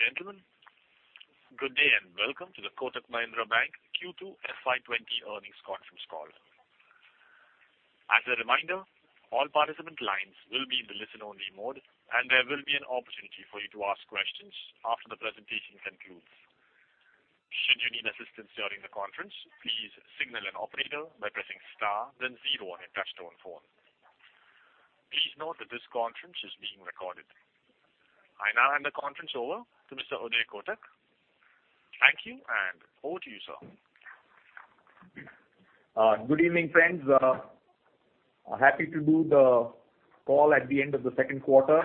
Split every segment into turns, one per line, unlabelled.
Ladies and gentlemen, good day, and welcome to the Kotak Mahindra Bank Q2 FY 2020 Earnings Conference Call. As a reminder, all participant lines will be in the listen-only mode, and there will be an opportunity for you to ask questions after the presentation concludes. Should you need assistance during the conference, please signal an operator by pressing star, then zero on your touchtone phone. Please note that this conference is being recorded. I now hand the conference over to Mr. Uday Kotak. Thank you, and over to you, sir.
Good evening, friends. Happy to do the call at the end of the second quarter,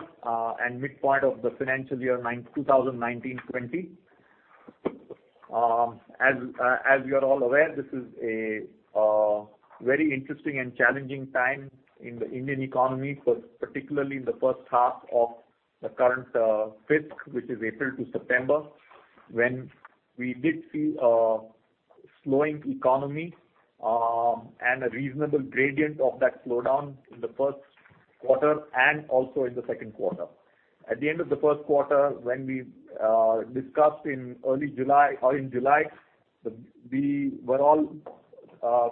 and midpoint of the financial year 2019-2020. As you are all aware, this is a very interesting and challenging time in the Indian economy, for particularly in the first half of the current fiscal, which is April to September, when we did see a slowing economy, and a reasonable gradient of that slowdown in the first quarter and also in the second quarter. At the end of the first quarter, when we discussed in early July or in July, we were all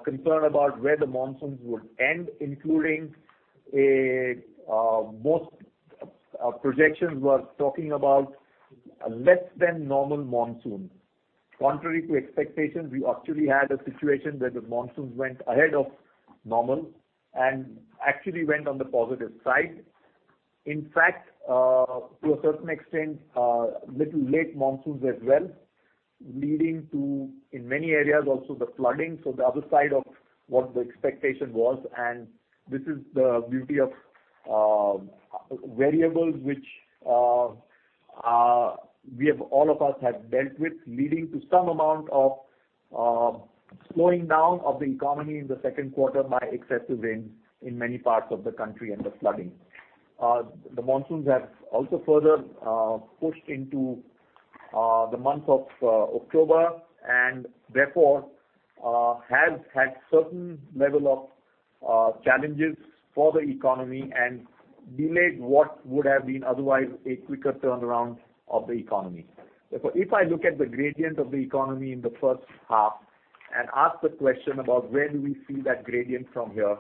concerned about where the monsoons would end, including a most projections were talking about a less than normal monsoon. Contrary to expectations, we actually had a situation where the monsoons went ahead of normal and actually went on the positive side. In fact, to a certain extent, little late monsoons as well, leading to, in many areas, also the flooding, so the other side of what the expectation was. This is the beauty of variables, which we have all of us have dealt with, leading to some amount of slowing down of the economy in the second quarter by excessive rain in many parts of the country and the flooding. The monsoons have also further pushed into the month of October, and therefore have had certain level of challenges for the economy and delayed what would have been otherwise a quicker turnaround of the economy. Therefore, if I look at the gradient of the economy in the first half and ask the question about where do we see that gradient from here,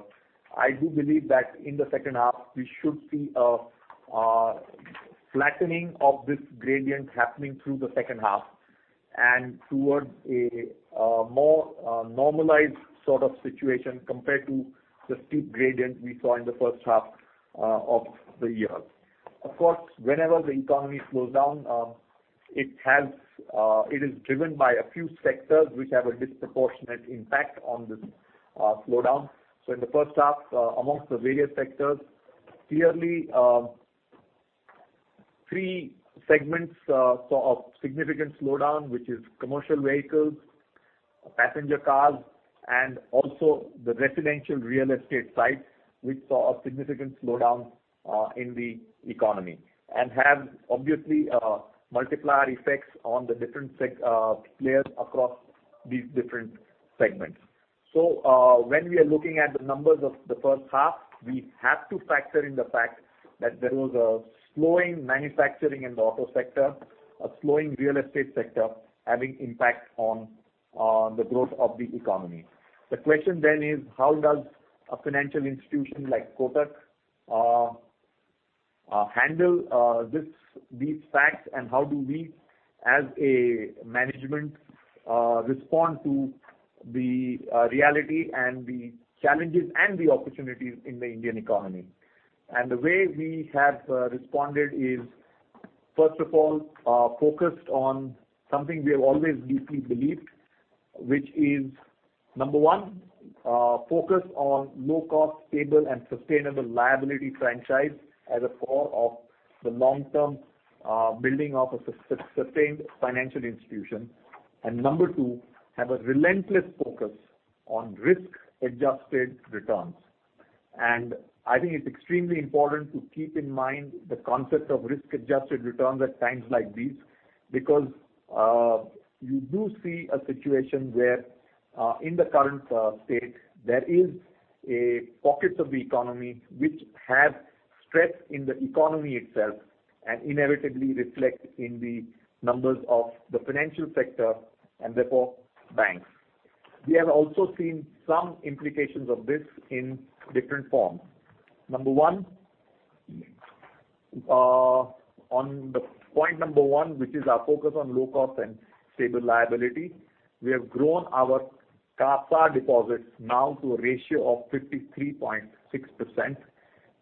I do believe that in the second half, we should see a flattening of this gradient happening through the second half and towards a more normalized sort of situation compared to the steep gradient we saw in the first half of the year. Of course, whenever the economy slows down, it is driven by a few sectors which have a disproportionate impact on this slowdown. So in the first half, among the various sectors, clearly, three segments saw a significant slowdown, which is commercial vehicles, passenger cars, and also the residential real estate side, which saw a significant slowdown in the economy, and have, obviously, multiplier effects on the different players across these different segments. So, when we are looking at the numbers of the first half, we have to factor in the fact that there was a slowing manufacturing in the auto sector, a slowing real estate sector, having impact on the growth of the economy. The question then is, how does a financial institution like Kotak handle these facts, and how do we, as a management, respond to the reality and the challenges and the opportunities in the Indian economy? And the way we have responded is, first of all, focused on something we have always deeply believed, which is, number one, focus on low-cost, stable, and sustainable liability franchise as a core of the long-term building of a sustained financial institution. And number two, have a relentless focus on risk-adjusted returns. And I think it's extremely important to keep in mind the concept of risk-adjusted returns at times like these, because you do see a situation where, in the current state, there is a pockets of the economy which have stress in the economy itself and inevitably reflect in the numbers of the financial sector and therefore banks. We have also seen some implications of this in different forms. Number one, on the point number one, which is our focus on low cost and stable liability, we have grown our CASA deposits now to a ratio of 53.6%,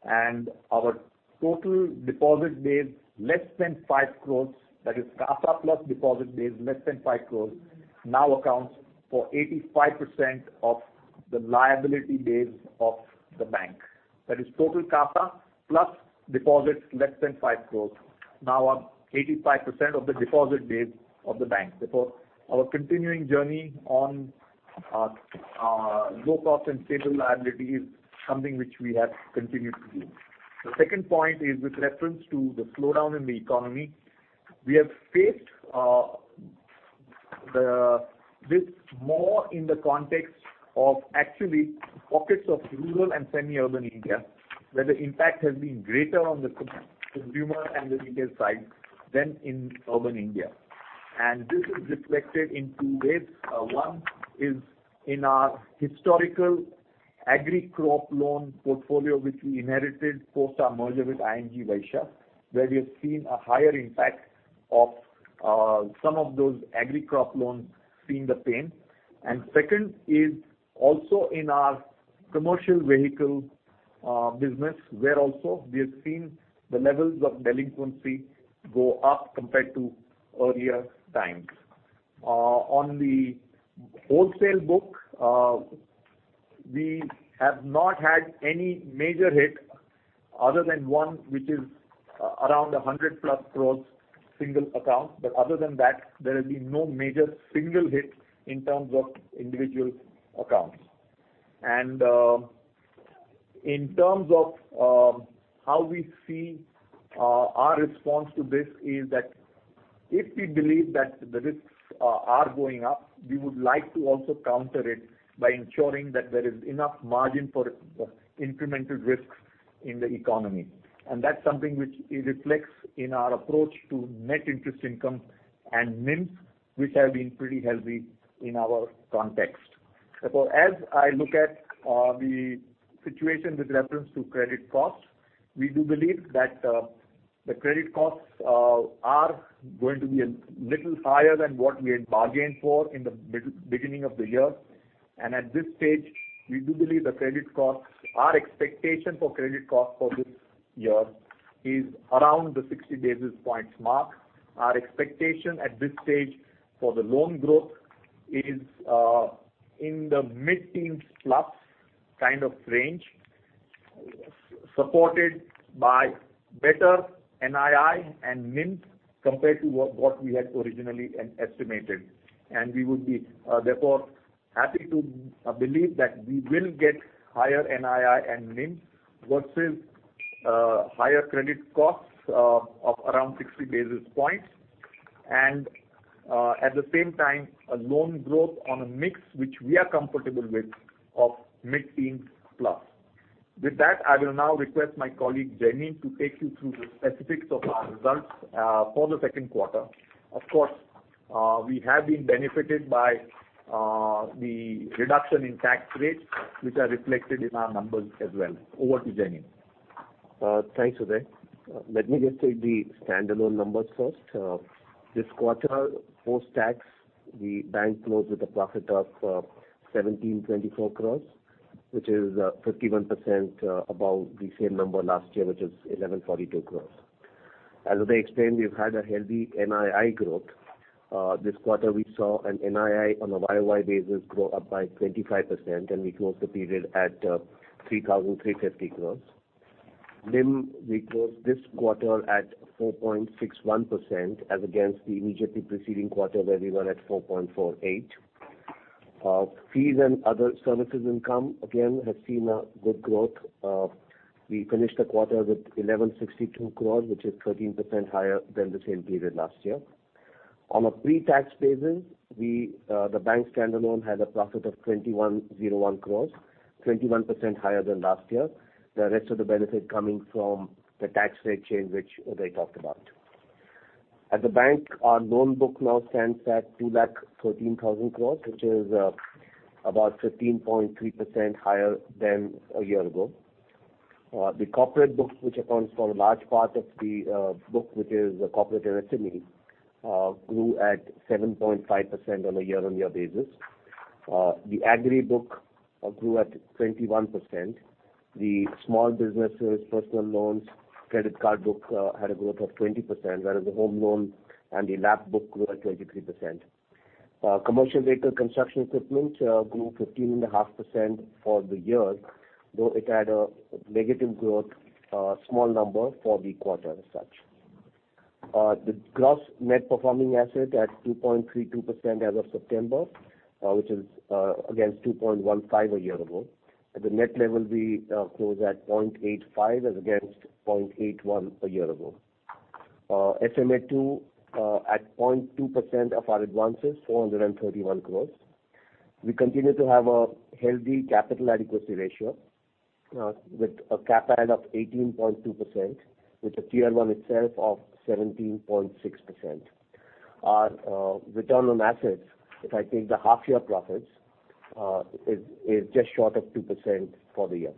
and our total deposit base, less than five crores, that is CASA plus deposit base, less than five crores, now accounts for 85% of the liability base of the bank. That is total CASA plus deposits less than five crores, now are 85% of the deposit base of the bank. Therefore, our continuing journey on low cost and stable liability is something which we have continued to do. The second point is with reference to the slowdown in the economy. We have faced... This more in the context of actually pockets of rural and semi-urban India, where the impact has been greater on the consumer and the retail side than in urban India. And this is reflected in two ways. One is in our historical agri crop loan portfolio, which we inherited post our merger with ING Vysya, where we have seen a higher impact of some of those agri crop loans seeing the same. And second is also in our commercial vehicle business, where also we have seen the levels of delinquency go up compared to earlier times. On the wholesale book, we have not had any major hit other than one, which is around a hundred plus crores single account. But other than that, there has been no major single hit in terms of individual accounts. And in terms of how we see our response to this is that if we believe that the risks are going up, we would like to also counter it by ensuring that there is enough margin for the incremental risks in the economy. And that's something which it reflects in our approach to net interest income and NIM, which have been pretty healthy in our context. Therefore, as I look at the situation with reference to credit costs, we do believe that the credit costs are going to be a little higher than what we had bargained for in the beginning of the year. And at this stage, we do believe the credit costs, our expectation for credit costs for this year is around the 60 basis points mark. Our expectation at this stage for the loan growth is in the mid-teens plus kind of range, supported by better NII and NIMs compared to what we had originally estimated. We would be therefore happy to believe that we will get higher NII and NIM versus higher credit costs of around sixty basis points. At the same time, a loan growth on a mix which we are comfortable with of mid-teens plus. With that, I will now request my colleague, Jaimin, to take you through the specifics of our results for the second quarter. Of course, we have been benefited by the reduction in tax rates, which are reflected in our numbers as well. Over to Jaimin.
Thanks, Uday. Let me just take the standalone numbers first. This quarter, post-tax, the bank closed with a profit of 1,724 crores, which is 51% above the same number last year, which is 1,142 crores. As Uday explained, we've had a healthy NII growth. This quarter, we saw an NII on a YoY basis grow up by 25%, and we closed the period at 3,350 crores. NIM, we closed this quarter at 4.61%, as against the immediately preceding quarter, where we were at 4.48. Fees and other services income, again, has seen a good growth. We finished the quarter with 1,162 crores, which is 13% higher than the same period last year. On a pre-tax basis, the bank's standalone had a profit of 2,101 crores, 21% higher than last year. The rest of the benefit coming from the tax rate change, which Uday talked about. At the bank, our loan book now stands at 213,000 crores, which is about 13.3% higher than a year ago. The corporate book, which accounts for a large part of the book, which is the corporate SME, grew at 7.5% on a year-on-year basis. The agri book grew at 21%. The small businesses, personal loans, credit card book had a growth of 20%, whereas the home loan and the LAP book grew at 23%. Commercial Vehicles and Construction Equipment grew 15.5% for the year, though it had a negative growth, small number for the quarter as such. The gross non-performing asset at 2.32% as of September, which is against 2.15% a year ago. At the net level, we close at 0.85%, as against 0.81% a year ago. SMA-2 at 0.2% of our advances, 431 crores. We continue to have a healthy capital adequacy ratio, with a CA of 18.2%, with a Tier-I itself of 17.6%. Our return on assets, if I take the half year profits, is just short of 2% for the year.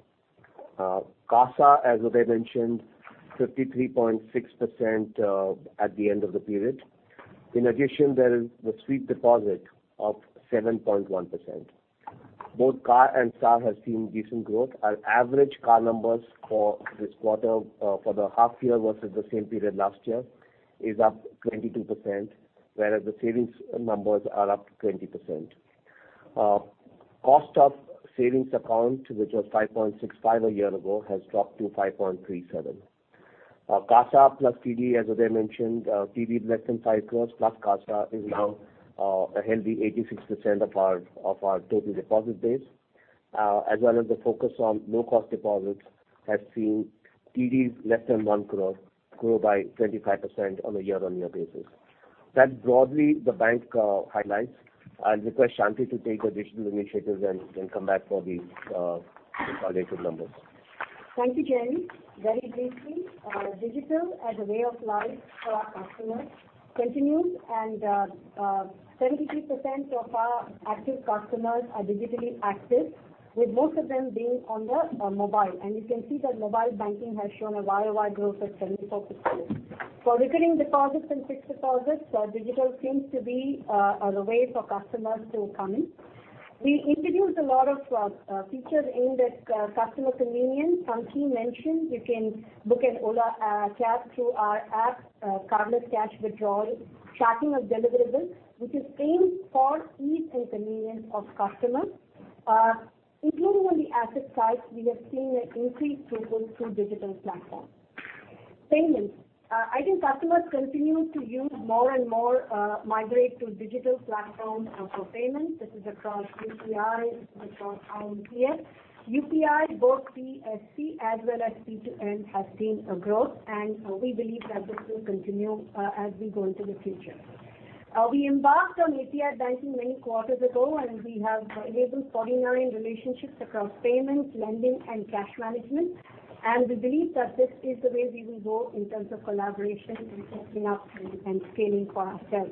CASA, as Uday mentioned, 53.6% at the end of the period. In addition, there is the sweep deposit of 7.1%. Both CA and SA has seen decent growth. Our average CA numbers for this quarter, for the half year versus the same period last year, is up 22%, whereas the savings numbers are up to 20%. Cost of savings account, which was 5.65 a year ago, has dropped to 5.37. CASA plus TD, as Uday mentioned, TD less than 5 crores, plus CASA is now, a healthy 86% of our total deposit base, as well as the focus on low cost deposits, has seen TDs less than 1 crore grow by 25% on a year-on-year basis. That's broadly the bank highlights. I'll request Shanti to take additional initiatives and come back for the consolidated numbers.
Thank you, Jaimin. Very briefly, digital as a way of life for our customers continues, and, seventy-three percent of our active customers are digitally active, with most of them being on the, mobile. And you can see that mobile banking has shown a YoY growth of 74%. For recurring deposits and fixed deposits, digital seems to be, the way for customers to come in. We introduced a lot of, features aimed at, customer convenience. Some key mentions, you can book an Ola, cab through our app, cardless cash withdrawal, tracking of deliverables, which is aimed for ease and convenience of customers. Including on the asset side, we have seen an increase through digital platforms. Payments. I think customers continue to use more and more, migrate to digital platforms, for payments. This is across UPI, from IMPS. UPI, both PSC as well as P2M, have seen a growth, and we believe that this will continue as we go into the future. We embarked on API banking many quarters ago, and we have enabled ordinary relationships across payments, lending, and cash management, and we believe that this is the way we will go in terms of collaboration and opening up and scaling for ourselves.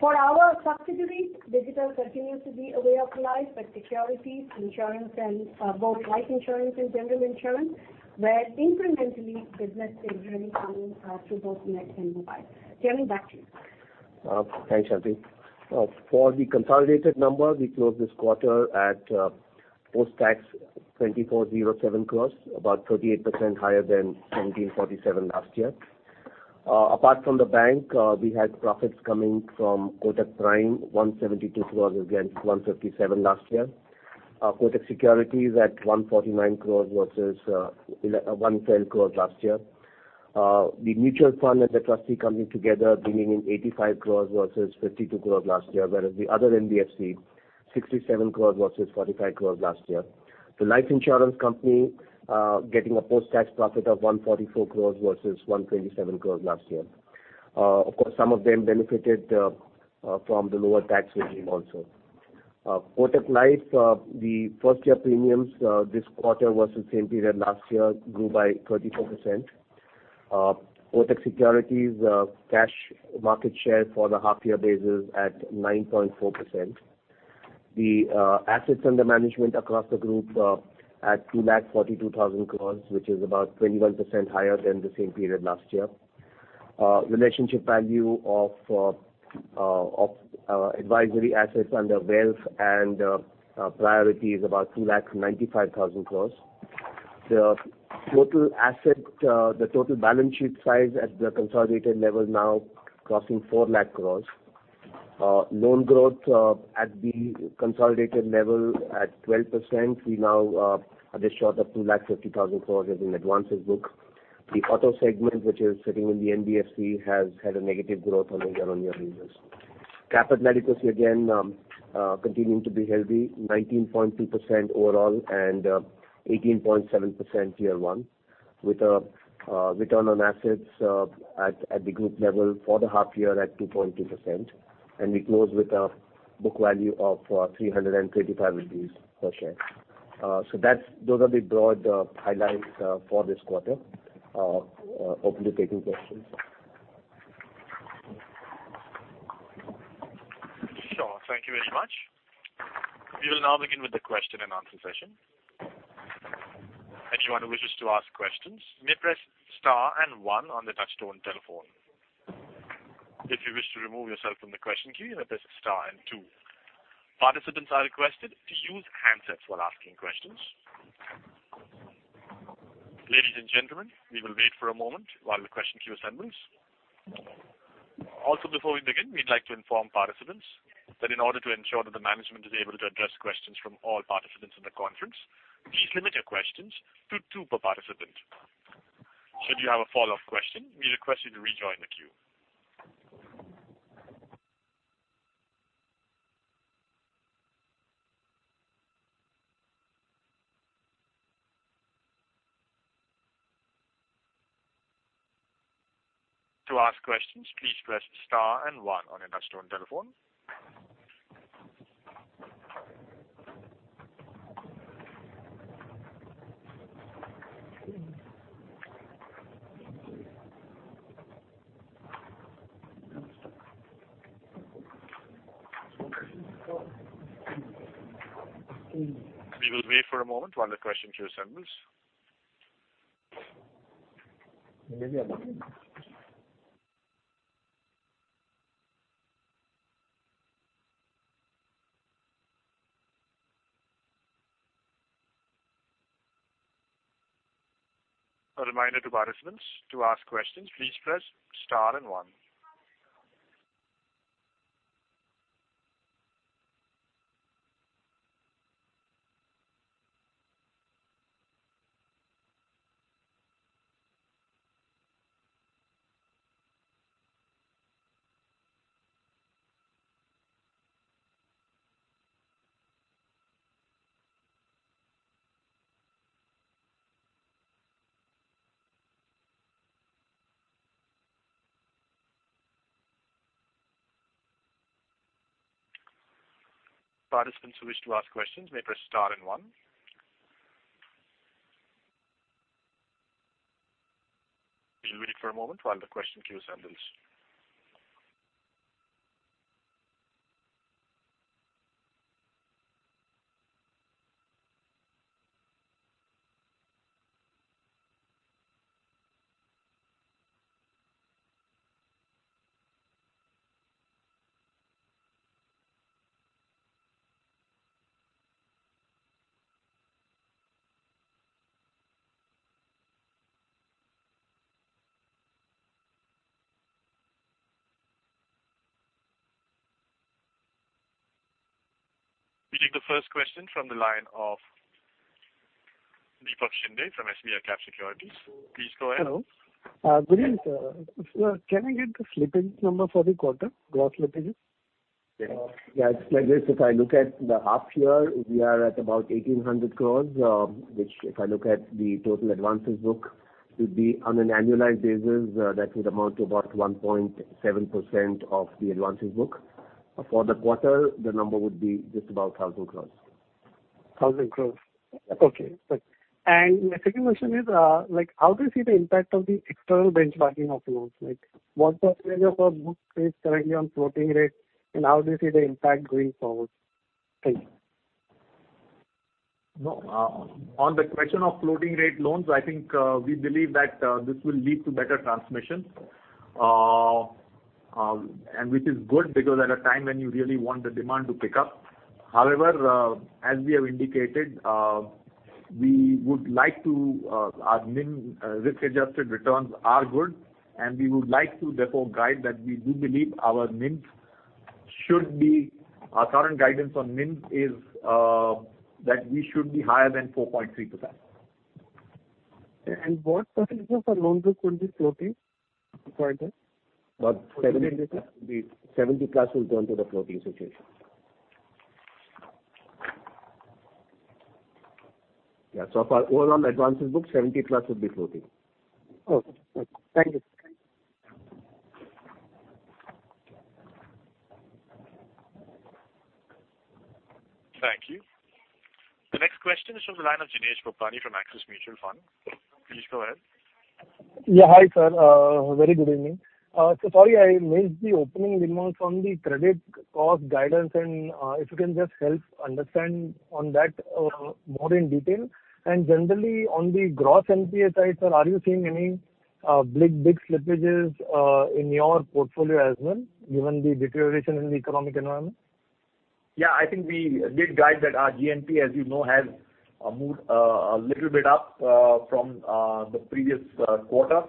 For our subsidiaries, digital continues to be a way of life, but securities, insurance, and both life insurance and general insurance, where incrementally business is really coming through both net and mobile. Jeremy, back to you.
Thanks, Shanti. For the consolidated number, we closed this quarter at post-tax 2,407 crore, about 38% higher than 1,747 crore last year. Apart from the bank, we had profits coming from Kotak Prime, 172 crore against 157 crore last year. Our Kotak Securities at 149 crore versus 112 crore last year. The Mutual Fund and the Trustee coming together, bringing in 85 crore versus 52 crore last year, whereas the other NBFC, 67 crore versus 45 crore last year. The life insurance company getting a post-tax profit of 144 crore versus 127 crore last year. Of course, some of them benefited from the lower tax regime also. Kotak Life, the first-year premiums this quarter versus same period last year, grew by 34%. Kotak Securities cash market share for the half year basis at 9.4%. The assets under management across the group at 242,000 crores, which is about 21% higher than the same period last year. Relationship value of advisory assets under wealth and priority is about 295,000 crores. The total asset, the total balance sheet size at the consolidated level is now crossing 400,000 crores. Loan growth at the consolidated level at 12%, we now are just short of two lakh fifty thousand crores in advances book. The other segment, which is sitting in the NBFC, has had a negative growth on a year-on-year basis. Capital adequacy again, continuing to be healthy, 19.2% overall and 18.7% Tier-1, with return on assets at the group level for the half year at 2.2%. And we close with a book value of 335 rupees per share. So that's - those are the broad highlights for this quarter. Open to taking questions.
Sure. Thank you very much. We will now begin with the question-and-answer session. If you wish to ask questions, you may press star and one on the touchtone telephone. If you wish to remove yourself from the question queue, you may press star and two. Participants are requested to use handsets while asking questions. Ladies and gentlemen, we will wait for a moment while the question queue assembles. Also, before we begin, we'd like to inform participants that in order to ensure that the management is able to address questions from all participants in the conference, please limit your questions to two per participant. Should you have a follow-up question, we request you to rejoin the queue. To ask questions, please press star and one on your touchtone telephone. We will wait for a moment while the question queue assembles.
Maybe about-
A reminder to participants, to ask questions, please press star and one. Participants who wish to ask questions may press star and one. Please wait for a moment while the question queue assembles. We take the first question from the line of Deepak Shinde from SBICAP Securities. Please go ahead.
Hello. Good evening, sir. Can I get the slippages number for the quarter, gross slippages?
Yeah, it's like this. If I look at the half year, we are at about 1,800 crores, which if I look at the total advances book, would be on an annualized basis, that would amount to about 1.7% of the advances book. For the quarter, the number would be just about 1,000 crores.
1,000 crores? Okay, right. And my second question is, like, how do you see the impact of the external benchmarking of loans? Like, what percentage of our book is currently on floating rate, and how do you see the impact going forward? Thank you.
No, on the question of floating rate loans, I think, we believe that this will lead to better transmission. And which is good, because at a time when you really want the demand to pick up. However, as we have indicated, we would like to our NIM risk-adjusted returns are good, and we would like to therefore guide that we do believe our NIMs should be... Our current guidance on NIMs is that we should be higher than 4.3%.
What percentage of our loan book will be floating for this?
About 70%, 70%+ will turn to the floating situation. Yeah, so for overall advances book, 70%+ would be floating.
Okay. Thank you.
Thank you. The next question is from the line of Jinesh Gopani from Axis Mutual Fund. Please go ahead.
Yeah, hi, sir. Very good evening. So sorry, I missed the opening remarks on the credit cost guidance and, if you can just help understand on that, more in detail. And generally, on the gross NPA side, sir, are you seeing any, big, big slippages, in your portfolio as well, given the deterioration in the economic environment?
Yeah, I think we did guide that our GNPA, as you know, has moved a little bit up from the previous quarter.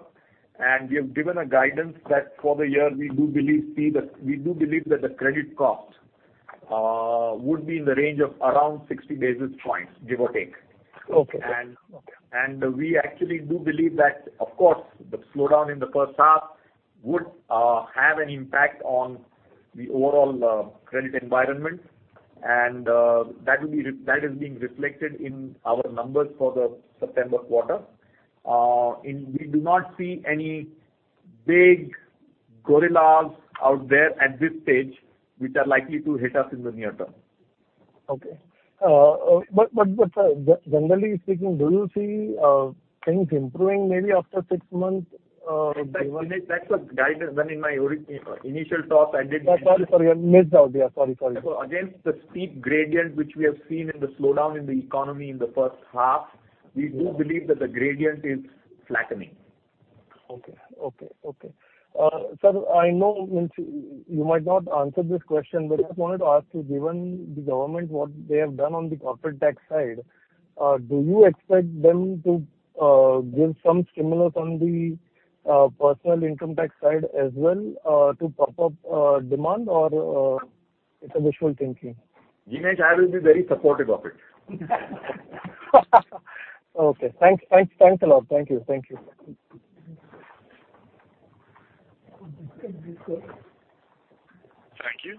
And we have given a guidance that for the year, we do believe that the credit cost would be in the range of around 60 basis points, give or take.
Okay.
And-
Okay.
We actually do believe that, of course, the slowdown in the first half would have an impact on the overall credit environment, and that is being reflected in our numbers for the September quarter. We do not see any big gorillas out there at this stage, which are likely to hit us in the near term.
Okay. But sir, generally speaking, do you see things improving maybe after six months, given-
That's what, guidance when in my initial talk, I did-
Sorry, I missed out. Yeah, sorry.
So against the steep gradient, which we have seen in the slowdown in the economy in the first half, we do believe that the gradient is flattening.
Sir, I know you might not answer this question, but I just wanted to ask you, given the government, what they have done on the corporate tax side, do you expect them to give some stimulus on the personal income tax side as well, to prop up demand or it's a wishful thinking?
Jinesh, I will be very supportive of it.
Okay. Thanks, thanks, thanks a lot. Thank you. Thank you.
Thank you.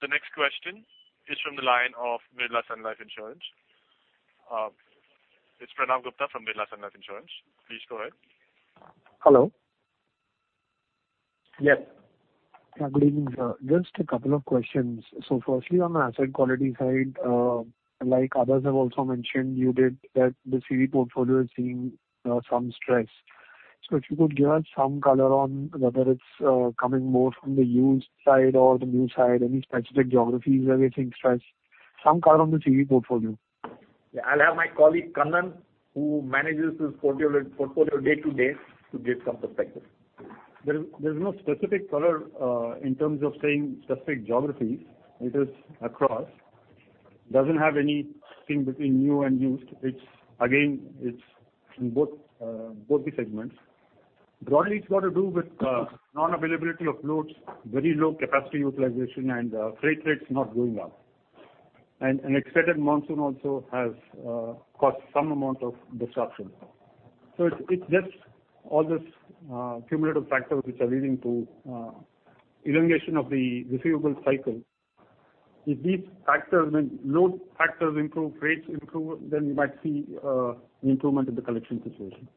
The next question is from the line of Birla Sun Life Insurance. It's Pranav Gupta from Birla Sun Life Insurance. Please go ahead.
Hello?
Yes.
Good evening, sir. Just a couple of questions. So firstly, on the asset quality side, like others have also mentioned, you said that the CV portfolio is seeing some stress. So if you could give us some color on whether it's coming more from the used side or the new side, any specific geographies where you're seeing stress, some color on the CV portfolio.
Yeah, I'll have my colleague, Kannan, who manages this portfolio day to day, to give some perspective.
There is, there's no specific color in terms of saying specific geographies. It is across. Doesn't have anything between new and used. It's again, it's in both, both the segments. Broadly, it's got to do with non-availability of loads, very low capacity utilization and freight rates not going up.... and an extended monsoon also has caused some amount of disruption. So it's just all this cumulative factors which are leading to elongation of the receivable cycle. If these factors, when load factors improve, rates improve, then you might see an improvement in the collection situation.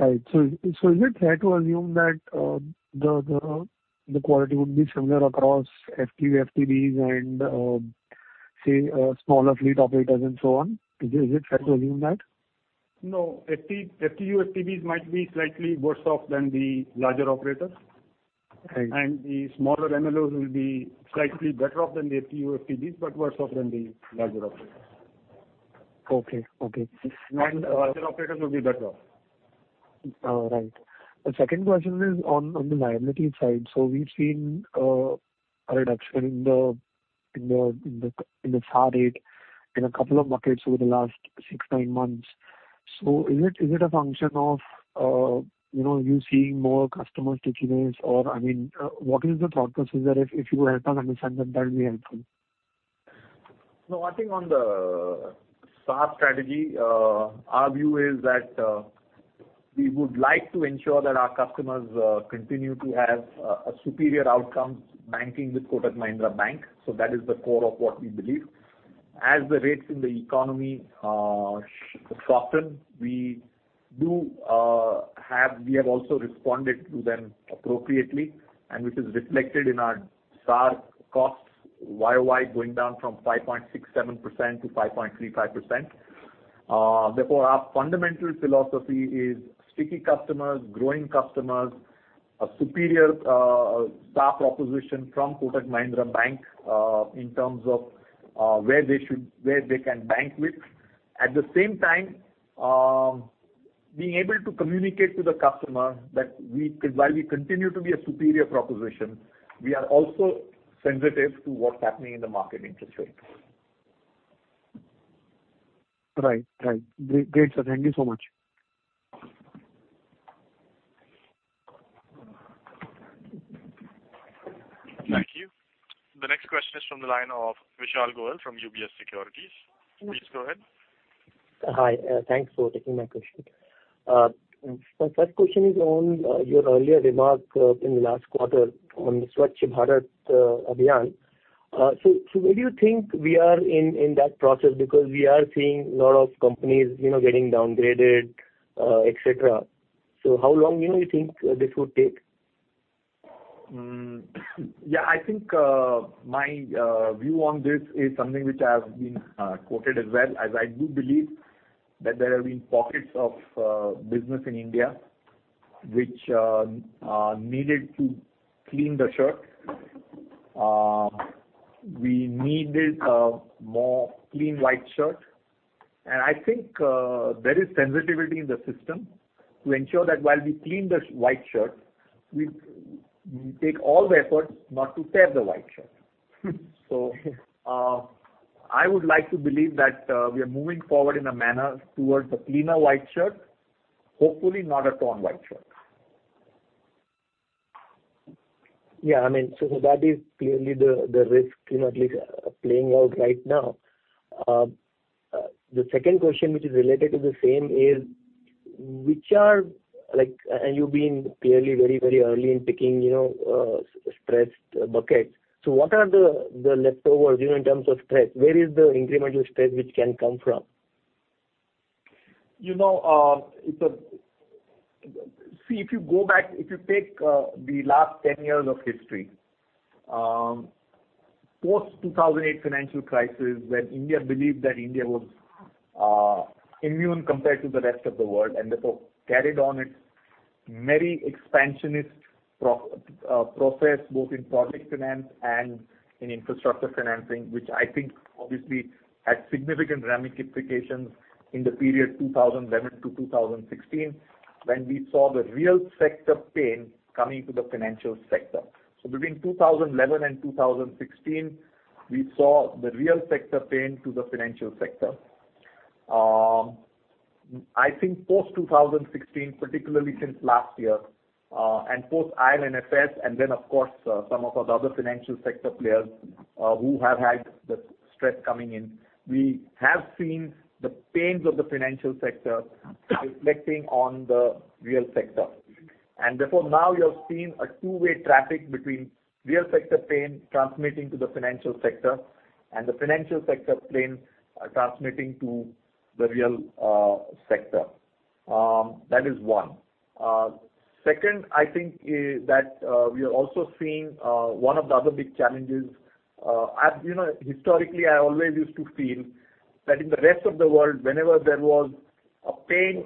All right. So is it fair to assume that the quality would be similar across FTU, FTBs and say smaller fleet operators and so on? Is it fair to assume that?
No, FT, FTU, FTBs might be slightly worse off than the larger operators.
Right.
The smaller MLOs will be slightly better off than the FTU, FTBs, but worse off than the larger operators.
Okay, okay.
And other operators will be better off.
Right. The second question is on the liability side. So we've seen a reduction in the CASA rate in a couple of buckets over the last six, nine months. So is it a function of you know, you seeing more customer stickiness? Or I mean, what is the thought process there? If you help us understand that, that'd be helpful.
No, I think on the SA strategy, our view is that we would like to ensure that our customers continue to have a superior outcome banking with Kotak Mahindra Bank, so that is the core of what we believe. As the rates in the economy soften, we have also responded to them appropriately, and which is reflected in our SA costs YoY going down from 5.67% to 5.35%. Therefore, our fundamental philosophy is sticky customers, growing customers, a superior value proposition from Kotak Mahindra Bank in terms of where they should... where they can bank with. At the same time, being able to communicate to the customer that we, while we continue to be a superior proposition, we are also sensitive to what's happening in the market interest rate.
Right. Right. Great, great, sir. Thank you so much.
Thank you. The next question is from the line of Vishal Goyal from UBS Securities. Please go ahead.
Hi, thanks for taking my question. My first question is on your earlier remark in the last quarter on the Swachh Bharat Abhiyan. So where do you think we are in that process? Because we are seeing a lot of companies, you know, getting downgraded, et cetera. So how long, you know, you think this would take?
Yeah, I think my view on this is something which I have been quoted as well, as I do believe that there have been pockets of business in India, which needed to clean the shirt. We needed a more clean white shirt, and I think there is sensitivity in the system to ensure that while we clean the white shirt, we take all the efforts not to tear the white shirt. So, I would like to believe that we are moving forward in a manner towards a cleaner white shirt, hopefully not a torn white shirt.
Yeah, I mean, so that is clearly the risk, you know, at least playing out right now. The second question, which is related to the same, is which are like and you've been clearly very, very early in picking, you know, stressed buckets. So what are the leftovers, you know, in terms of stress? Where is the incremental stress which can come from?
You know, it's a... See, if you go back, if you take the last ten years of history, post-two thousand and eight financial crisis, when India believed that India was immune compared to the rest of the world, and therefore, carried on its merry expansionist pro, process, both in project finance and in infrastructure financing, which I think obviously had significant ramifications in the period two thousand and eleven to two thousand and sixteen, when we saw the real sector pain coming to the financial sector. So between two thousand and eleven and two thousand and sixteen, we saw the real sector pain to the financial sector. I think post-2016, particularly since last year, and post-IL&FS, and then of course, some of our other financial sector players, who have had the stress coming in, we have seen the pains of the financial sector reflecting on the real sector. And therefore, now you have seen a two-way traffic between real sector pain transmitting to the financial sector and the financial sector pain, transmitting to the real sector. That is one. Second, I think is that, we are also seeing, one of the other big challenges, as you know, historically, I always used to feel that in the rest of the world, whenever there was a pain,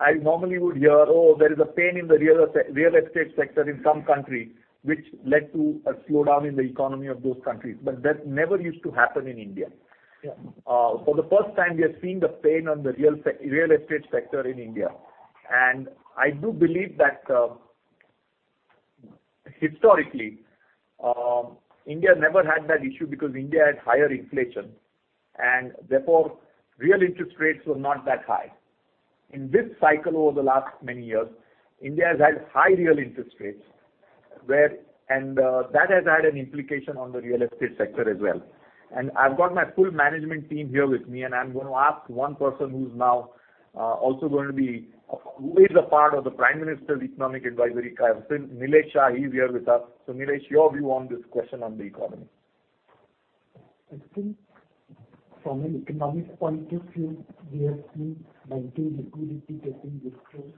I normally would hear, "Oh, there is a pain in the real estate sector in some country, which led to a slowdown in the economy of those countries." But that never used to happen in India.
Yeah.
For the first time, we are seeing the pain in the real estate sector in India. And I do believe that, historically, India never had that issue because India had higher inflation, and therefore, real interest rates were not that high. In this cycle over the last many years, India has had high real interest rates, and that has had an implication on the real estate sector as well. And I've got my full management team here with me, and I'm going to ask one person who's now also going to be, who is a part of the Prime Minister Economic Advisory Council, Nilesh Shah; he's here with us. So Nilesh, your view on this question on the economy?
I think from an economic point of view, we have seen banking liquidity getting destroyed.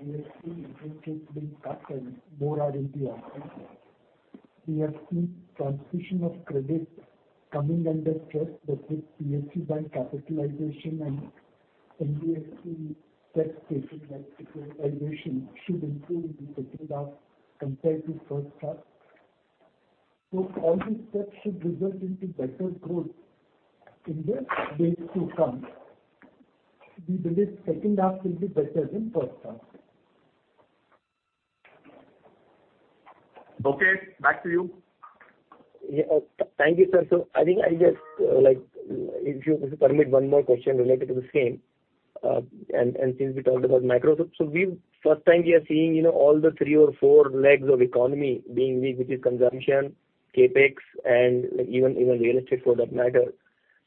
We have seen interest rates being cut and more are in the offing. We have seen transmission of credit coming under stress, but with PSU bank capitalization and NBFC liquidity cases, like, capitalization should improve in the second half compared to first half. So all these steps should result into better growth in the days to come. We believe second half will be better than first half.
Okay, back to you.
Yeah. Thank you, sir. So I think I just, like, if you permit one more question related to the same, and since we talked about macro. So we've first time we are seeing, you know, all the three or four legs of economy being weak, which is consumption, CapEx, and even real estate, for that matter.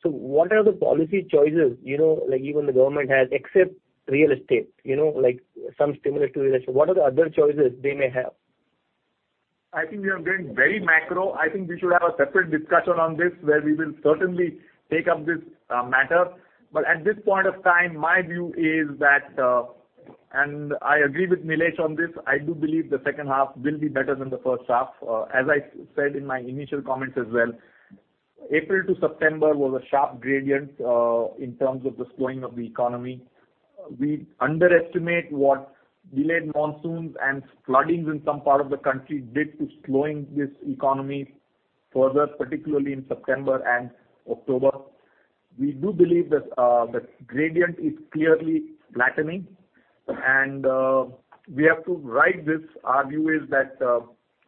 So what are the policy choices, you know, like, even the government has, except real estate? You know, like, some similar to real estate. What are the other choices they may have?
I think we are getting very macro. I think we should have a separate discussion on this, where we will certainly take up this, matter. But at this point of time, my view is that, and I agree with Nilesh on this, I do believe the second half will be better than the first half. As I said in my initial comments as well, April to September was a sharp gradient, in terms of the slowing of the economy. We underestimate what delayed monsoons and floodings in some part of the country did to slowing this economy further, particularly in September and October. We do believe that, the gradient is clearly flattening, and, we have to right this. Our view is that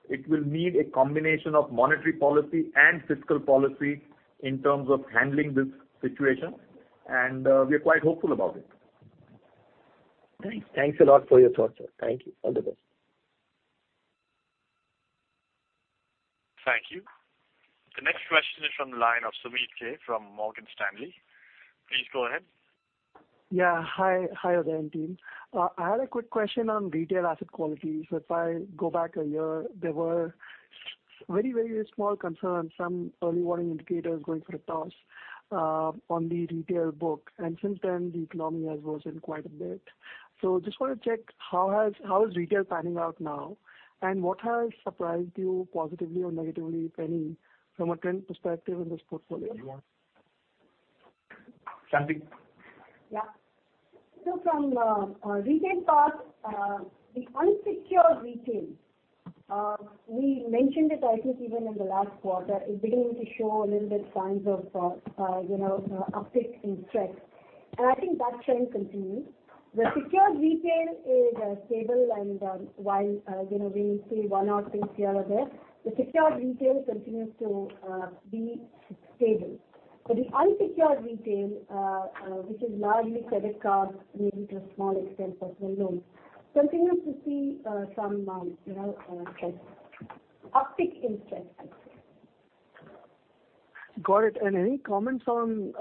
it will need a combination of monetary policy and fiscal policy in terms of handling this situation, and we are quite hopeful about it.
Thanks. Thanks a lot for your thoughts, sir. Thank you. All the best.
Thank you. The next question is from the line of Sumeet Kariwala from Morgan Stanley. Please go ahead.
Yeah, hi. Hi there, team. I had a quick question on retail asset quality. If I go back a year, there were very, very small concerns, some early warning indicators going for a toss, on the retail book, and since then, the economy has worsened quite a bit. Just want to check, how is retail panning out now? And what has surprised you positively or negatively, if any, from a trend perspective in this portfolio?
Shanti?
Yeah. So from the retail part, the unsecured retail, we mentioned it, I think, even in the last quarter, is beginning to show a little bit signs of, you know, uptick in stress, and I think that trend continues. The secured retail is stable and, while, you know, we may see one or two here or there, the secured retail continues to be stable. But the unsecured retail, which is largely credit cards, maybe to a small extent, personal loans, continues to see some, you know, stress. Uptick in stress, I'd say.
Got it. And any comments on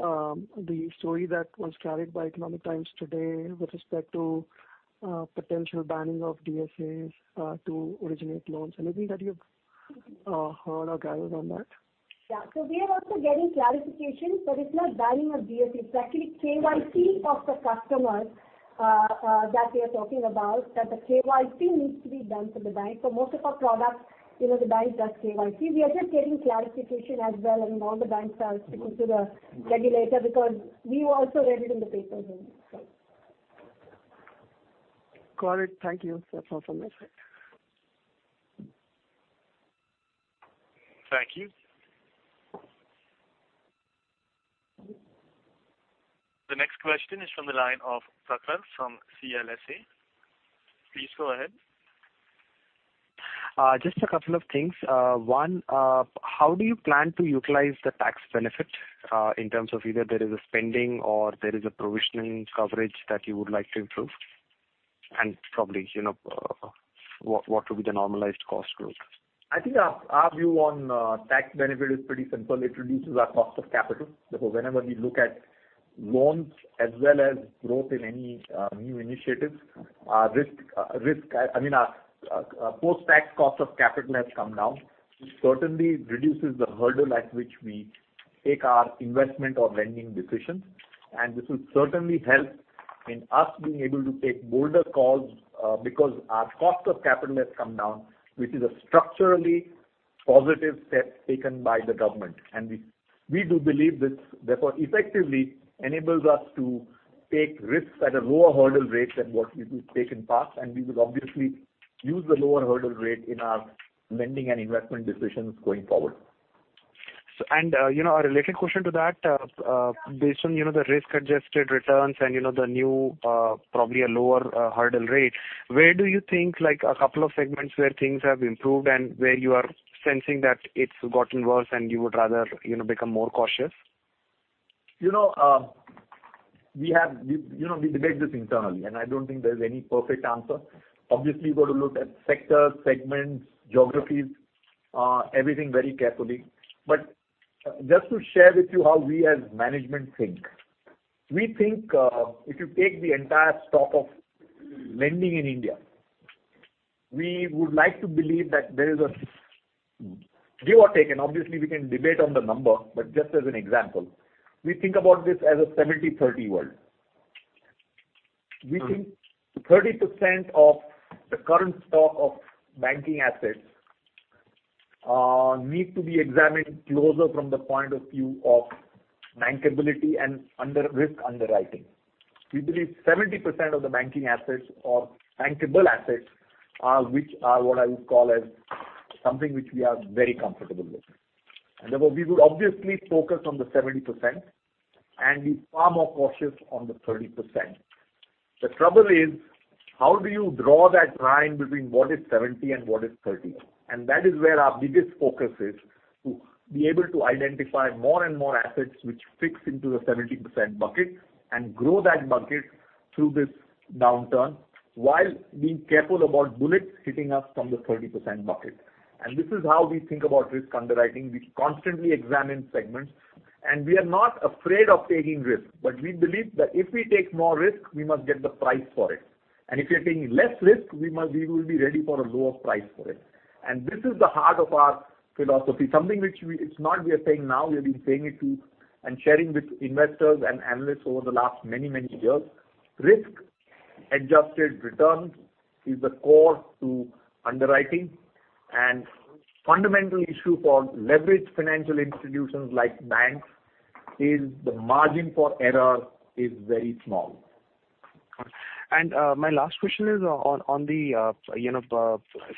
the story that was carried by The Economic Times today with respect to potential banning of DSAs to originate loans? Anything that you've heard or gathered on that?
Yeah. So we are also getting clarification, but it's not banning of DSAs. It's actually KYC of the customers that we are talking about, that the KYC needs to be done for the bank. So most of our products, you know, the bank does KYC. We are just getting clarification as well, and all the banks are speaking to the regulator, because we also read it in the papers only, so.
Got it. Thank you. That's all from my side.
Thank you. The next question is from the line of Prakhar from CLSA. Please go ahead.
Just a couple of things. One, how do you plan to utilize the tax benefit in terms of either there is a spending or there is a provisioning coverage that you would like to improve? And probably, you know, what would be the normalized cost growth?
I think our view on tax benefit is pretty simple. It reduces our cost of capital. Because whenever we look at loans as well as growth in any new initiatives, our risk, I mean, our post-tax cost of capital has come down. It certainly reduces the hurdle at which we take our investment or lending decisions, and this will certainly help in us being able to take bolder calls, because our cost of capital has come down, which is a structurally positive step taken by the government, and we do believe this, therefore, effectively enables us to take risks at a lower hurdle rate than what we've taken in past, and we will obviously use the lower hurdle rate in our lending and investment decisions going forward.
You know, a related question to that, based on, you know, the risk-adjusted returns and, you know, the new, probably a lower hurdle rate, where do you think, like, a couple of segments where things have improved and where you are sensing that it's gotten worse and you would rather, you know, become more cautious?...
You know, we have, you know, we debate this internally, and I don't think there's any perfect answer. Obviously, you've got to look at sectors, segments, geographies, everything very carefully. But just to share with you how we as management think. We think, if you take the entire stock of lending in India, we would like to believe that there is a, give or take, and obviously, we can debate on the number, but just as an example, we think about this as a 70/30 world. We think 30% of the current stock of banking assets need to be examined closer from the point of view of bankability and under risk underwriting. We believe 70% of the banking assets or bankable assets are, which are what I would call as something which we are very comfortable with. Therefore, we would obviously focus on the 70%, and be far more cautious on the 30%. The trouble is, how do you draw that line between what is 70 and what is 30? That is where our biggest focus is, to be able to identify more and more assets which fits into the 70% bucket, and grow that bucket through this downturn, while being careful about bullets hitting us from the 30% bucket. This is how we think about risk underwriting. We constantly examine segments, and we are not afraid of taking risk, but we believe that if we take more risk, we must get the price for it. If you're taking less risk, we must- we will be ready for a lower price for it. This is the heart of our philosophy, something which we- it's not we are saying now, we've been saying it to and sharing with investors and analysts over the last many, many years. Risk-adjusted return is the core to underwriting, and fundamental issue for leveraged financial institutions like banks, is the margin for error is very small.
And, my last question is on the, you know,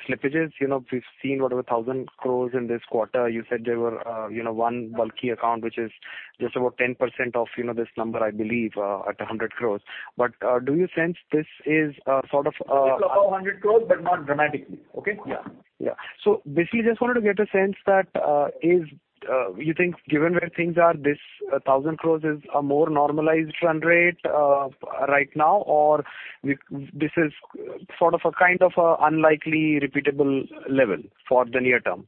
slippages. You know, we've seen whatever 1,000 crores in this quarter. You said there were, you know, one bulky account, which is just about 10% of, you know, this number, I believe, at 100 crores. But, do you sense this is sort of...
It's above 100 crores, but not dramatically. Okay? Yeah.
Yeah. So basically, just wanted to get a sense that, is, you think given where things are, this 1,000 crore is a more normalized run rate, right now, or this is sort of a kind of an unlikely repeatable level for the near term?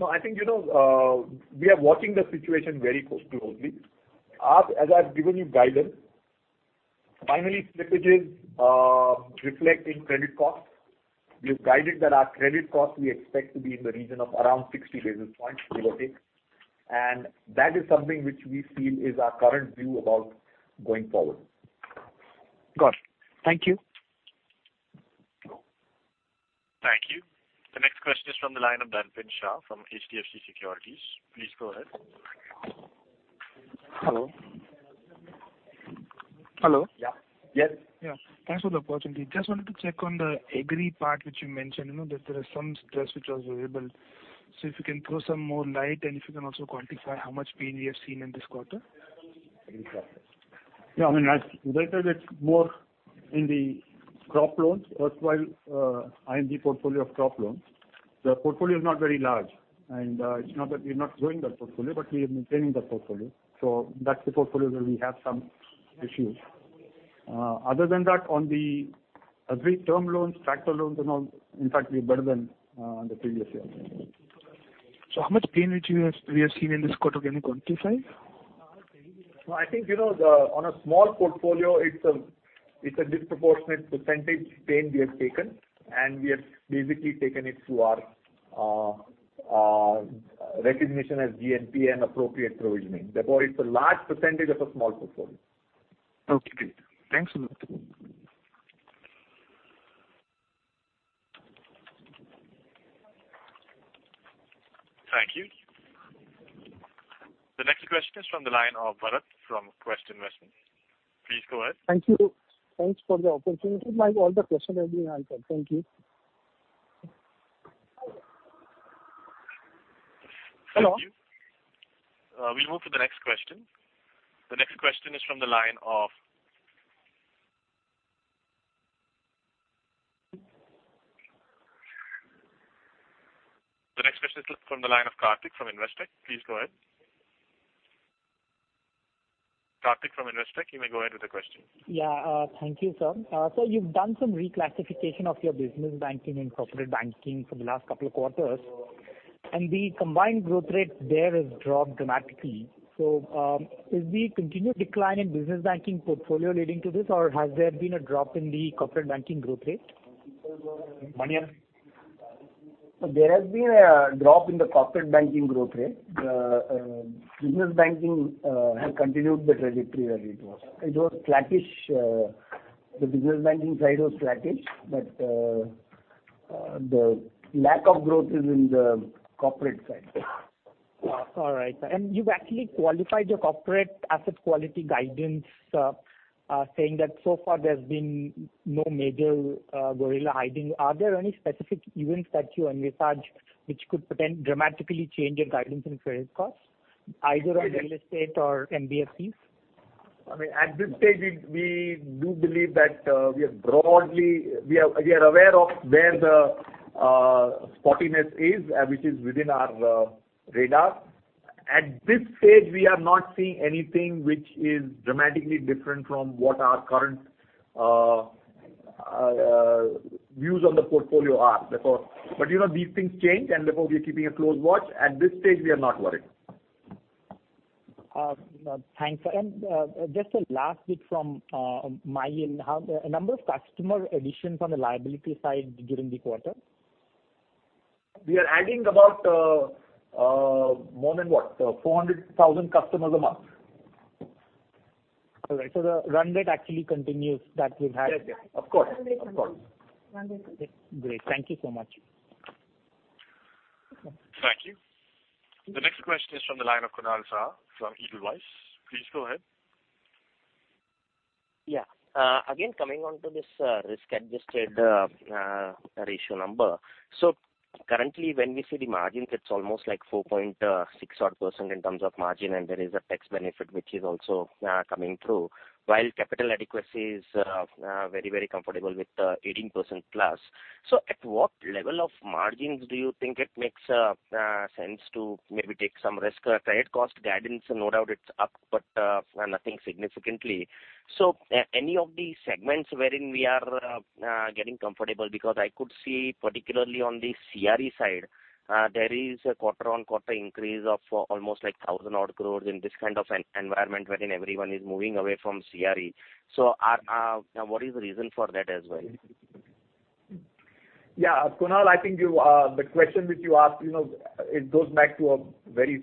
No, I think, you know, we are watching the situation very closely. As I've given you guidance, finally, slippages reflect in credit costs. We've guided that our credit costs we expect to be in the region of around sixty basis points, and that is something which we feel is our current view about going forward.
Got it. Thank you.
Thank you. The next question is from the line of Darpin Shah from HDFC Securities. Please go ahead.
Hello? Hello.
Yeah. Yes.
Yeah, thanks for the opportunity. Just wanted to check on the agri part, which you mentioned, you know, that there is some stress which was variable. So if you can throw some more light, and if you can also quantify how much pain you have seen in this quarter?
Yeah, I mean, as I said, it's more in the crop loans, otherwise in the portfolio of crop loans. The portfolio is not very large, and, it's not that we're not growing that portfolio, but we are maintaining that portfolio. So that's the portfolio where we have some issues. Other than that, on the agri term loans, tractor loans and all, in fact, we're better than the previous year.
How much pain have we seen in this quarter? Can you quantify?
No, I think, you know, on a small portfolio, it's a disproportionate percentage pain we have taken, and we have basically taken it through our recognition as GNPA and appropriate provisioning. Therefore, it's a large percentage of a small portfolio. Okay, great. Thanks a lot.
Thank you. The next question is from the line of Bharat Sheth from Quest Investment Advisors. Please go ahead.
Thank you. Thanks for the opportunity. My all the questions have been answered. Thank you. Hello?
Thank you. We move to the next question. The next question is from the line of Karthik from Investec. Please go ahead. Karthik from Investec, you may go ahead with the question.
Yeah, thank you, sir. So, you've done some reclassification of your business banking and corporate banking for the last couple of quarters, and the combined growth rate there has dropped dramatically. So, is the continued decline in business banking portfolio leading to this, or has there been a drop in the corporate banking growth rate?
Manian?
There has been a drop in the corporate banking growth rate. The business banking has continued the trajectory where it was. It was flattish, the business banking side was flattish, but the lack of growth is in the corporate side.
All right, and you've actually qualified your corporate asset quality guidance, saying that so far there's been no major gorilla hiding. Are there any specific events that you envisage which could potentially dramatically change your guidance and credit costs, either on real estate or NBFCs?
I mean, at this stage, we do believe that we are broadly aware of where the spottiness is, which is within our radar. At this stage, we are not seeing anything which is dramatically different from what our current views on the portfolio are, therefore. But, you know, these things change, and therefore we're keeping a close watch. At this stage, we are not worried.
Thanks. And just a last bit from my end. The number of customer additions on the liability side during the quarter?
We are adding about more than what? 400,000 customers a month.
All right. So the run rate actually continues that we've had?
Yes, yes. Of course. Of course.
Great. Thank you so much.
Thank you. The next question is from the line of Kunal Shah from Edelweiss. Please go ahead.
Yeah. Again, coming on to this, risk-adjusted ratio number. So currently, when we see the margins, it's almost like four point six odd percent in terms of margin, and there is a tax benefit, which is also coming through, while capital adequacy is very, very comfortable with eighteen percent plus. So at what level of margins do you think it makes sense to maybe take some risk? Credit cost guidance, no doubt it's up, but nothing significantly. So any of these segments wherein we are getting comfortable, because I could see, particularly on the CRE side, there is a quarter on quarter increase of almost like 1,000 odd crores in this kind of environment, wherein everyone is moving away from CRE. So what is the reason for that as well?
Yeah, Kunal, I think you, the question which you asked, you know, it goes back to a very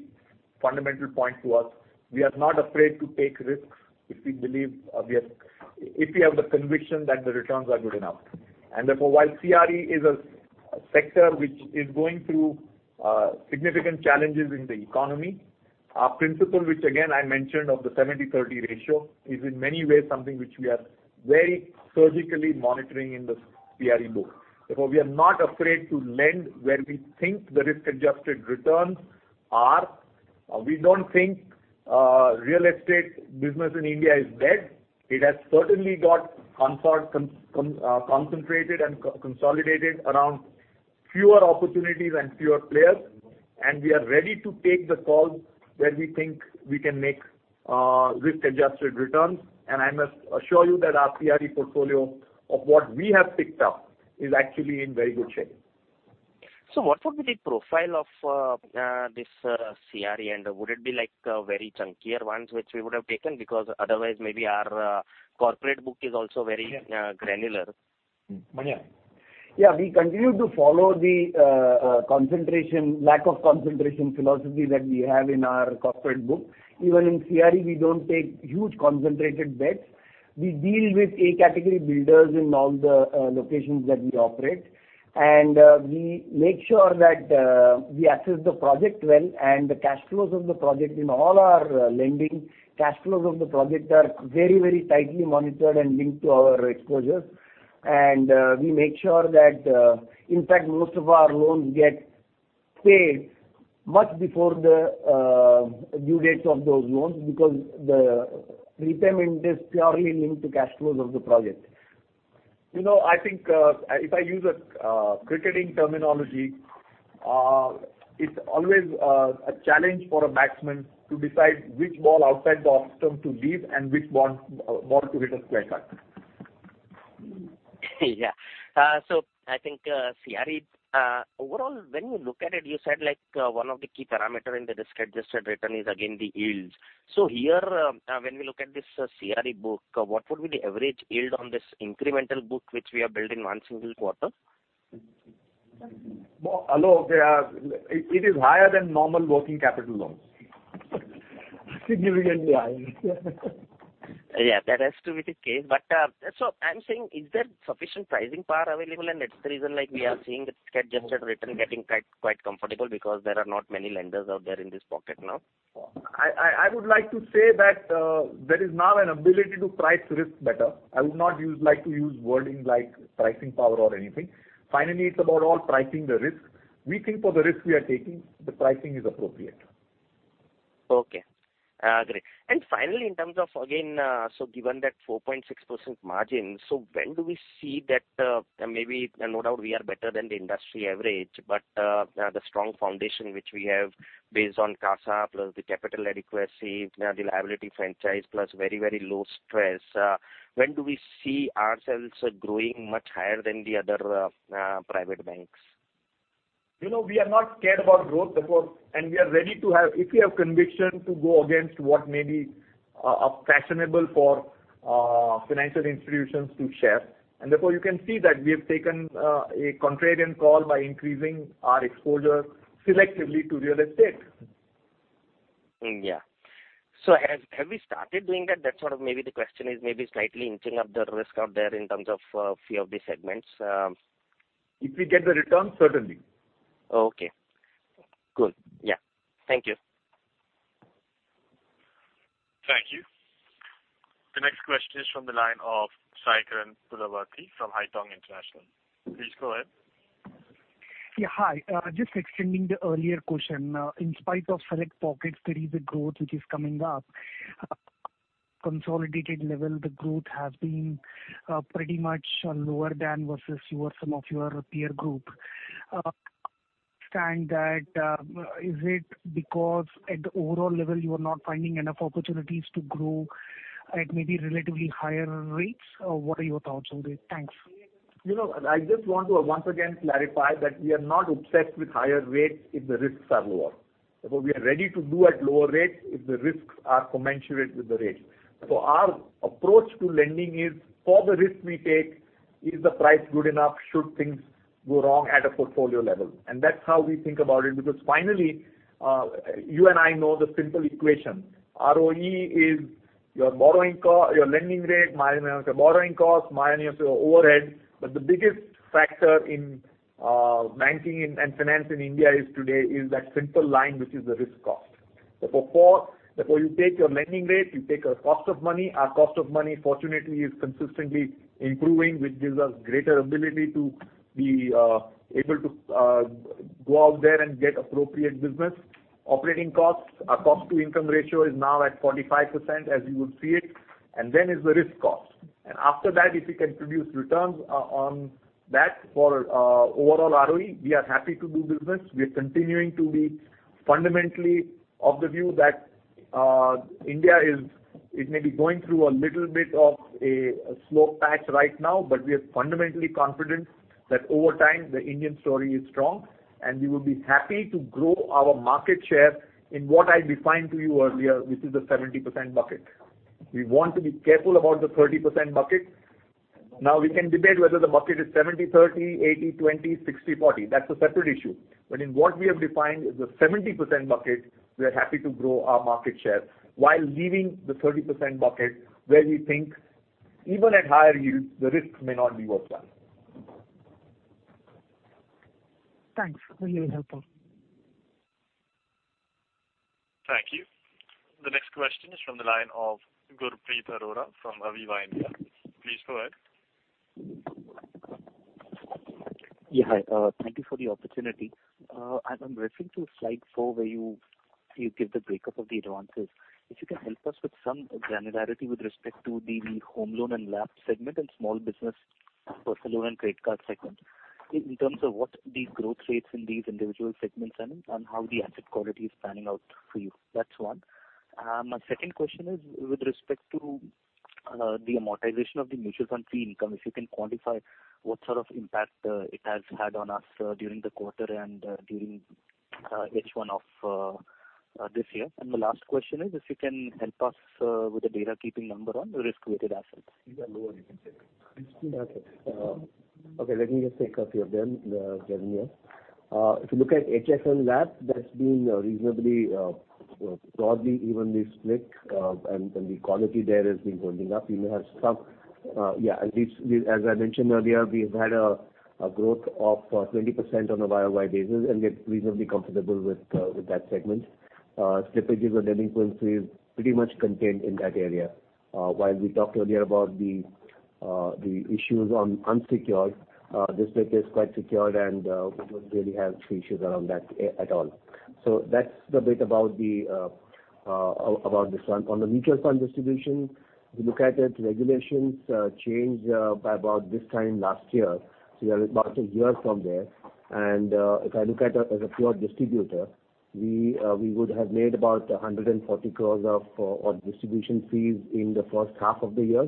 fundamental point to us. We are not afraid to take risks if we believe, if we have the conviction that the returns are good enough. And therefore, while CRE is a sector which is going through significant challenges in the economy, our principle, which again, I mentioned, of the seventy-thirty ratio, is in many ways something which we are very surgically monitoring in the CRE book. Therefore, we are not afraid to lend where we think the risk-adjusted returns are. We don't think real estate business in India is dead. It has certainly got concentrated and consolidated around fewer opportunities and fewer players, and we are ready to take the call where we think we can make risk-adjusted returns. I must assure you that our CRE portfolio of what we have picked up is actually in very good shape.
So what would be the profile of this CRE, and would it be like very chunkier ones, which we would have taken? Because otherwise, maybe our corporate book is also very granular.
Yeah. Yeah, we continue to follow the concentration, lack of concentration philosophy that we have in our corporate book. Even in CRE, we don't take huge concentrated bets. We deal with A category builders in all the locations that we operate, and we make sure that we assess the project well, and the cash flows of the project in all our lending. Cash flows of the project are very, very tightly monitored and linked to our exposure. And we make sure that... In fact, most of our loans get paid much before the due dates of those loans, because the repayment is purely linked to cash flows of the project.
You know, I think, if I use a, cricketing terminology, it's always, a challenge for a batsman to decide which ball outside the off stump to leave and which ball to hit a square cut.
Yeah. So I think, CRE, overall, when you look at it, you said, like, one of the key parameter in the risk-adjusted return is again, the yields. So here, when we look at this CRE book, what would be the average yield on this incremental book, which we have built in one single quarter?
Although they are, it is higher than normal working capital loans. Significantly higher.
Yeah, that has to be the case. But, so I'm saying, is there sufficient pricing power available? And that's the reason, like, we are seeing the risk-adjusted return getting quite, quite comfortable, because there are not many lenders out there in this pocket now.
I would like to say that there is now an ability to price risk better. I would not use, like, to use wording like pricing power or anything. Finally, it's about all pricing the risk. We think for the risk we are taking, the pricing is appropriate.
Okay. Great. And finally, in terms of, again, so given that 4.6% margin, so when do we see that, maybe, no doubt we are better than the industry average, but, the strong foundation which we have based on CASA, plus the capital adequacy, the liability franchise, plus very, very low stress, when do we see ourselves growing much higher than the other, private banks?
You know, we are not scared about growth, therefore... And we are ready to have if we have conviction to go against what may be fashionable for financial institutions to share. And therefore, you can see that we have taken a contrarian call by increasing our exposure selectively to real estate.
Yeah. So have we started doing that? That's sort of maybe the question is, maybe slightly inching up the risk out there in terms of few of the segments.
If we get the return, certainly.
Okay. Good. Yeah. Thank you.
Thank you. The next question is from the line of Saikiran Pulavarthi from Haitong International. Please go ahead....
Yeah, hi. Just extending the earlier question. In spite of select pockets, there is a growth which is coming up. Consolidated level, the growth has been pretty much lower than versus your some of your peer group. Understand that, is it because at the overall level, you are not finding enough opportunities to grow at maybe relatively higher rates, or what are your thoughts on it? Thanks.
You know, I just want to once again clarify that we are not obsessed with higher rates if the risks are lower. So we are ready to do at lower rates if the risks are commensurate with the rate. So our approach to lending is for the risk we take, is the price good enough should things go wrong at a portfolio level? And that's how we think about it, because finally, you and I know the simple equation. ROE is your borrowing co- your lending rate, minus your borrowing cost, minus your overhead. But the biggest factor in banking and finance in India is today that simple line, which is the risk cost. So for therefore, you take your lending rate, you take a cost of money. Our cost of money, fortunately, is consistently improving, which gives us greater ability to be able to go out there and get appropriate business. Operating costs, our cost to income ratio is now at 45%, as you would see it, and then is the risk cost. And after that, if we can produce returns on that for overall ROE, we are happy to do business. We are continuing to be fundamentally of the view that India is, it may be going through a little bit of a slow patch right now, but we are fundamentally confident that over time, the Indian story is strong, and we will be happy to grow our market share in what I defined to you earlier, which is the 70% bucket. We want to be careful about the 30% bucket. Now, we can debate whether the bucket is 70/30, 80/20, 60/40. That's a separate issue. But in what we have defined is the 70% bucket, we are happy to grow our market share while leaving the 30% bucket, where we think even at higher yields, the risk may not be worthwhile.
Thanks for your help.
Thank you. The next question is from the line of Gurpreet Arora from Aviva India. Please go ahead.
Yeah, hi, thank you for the opportunity. I'm referring to slide four, where you give the breakup of the advances. If you can help us with some granularity with respect to the home loan and LAP segment and small business personal loan and credit card segment, in terms of what the growth rates in these individual segments are and how the asset quality is panning out for you. That's one. My second question is with respect to the amortization of the mutual fund fee income, if you can quantify what sort of impact it has had on us during the quarter and during H1 of this year. And the last question is, if you can help us with the outlook number on the risk-weighted assets.
These are lower, you can check.
Okay. Let me just take a few of them, Gurpreet. If you look at HL LAP, that's been reasonably broadly evenly split, and the quality there has been holding up. We may have some, and we as I mentioned earlier, we've had a growth of 20% on a YoY basis, and we are reasonably comfortable with that segment. Slippages or delinquencies pretty much contained in that area. While we talked earlier about the issues on unsecured, this bit is quite secured, and we don't really have issues around that at all. So that's the bit about this one. On the mutual fund distribution, if you look at it, regulations changed by about this time last year, so we are about a year from there. And if I look at as a pure distributor, we would have made about 140 crores of distribution fees in the first half of the year,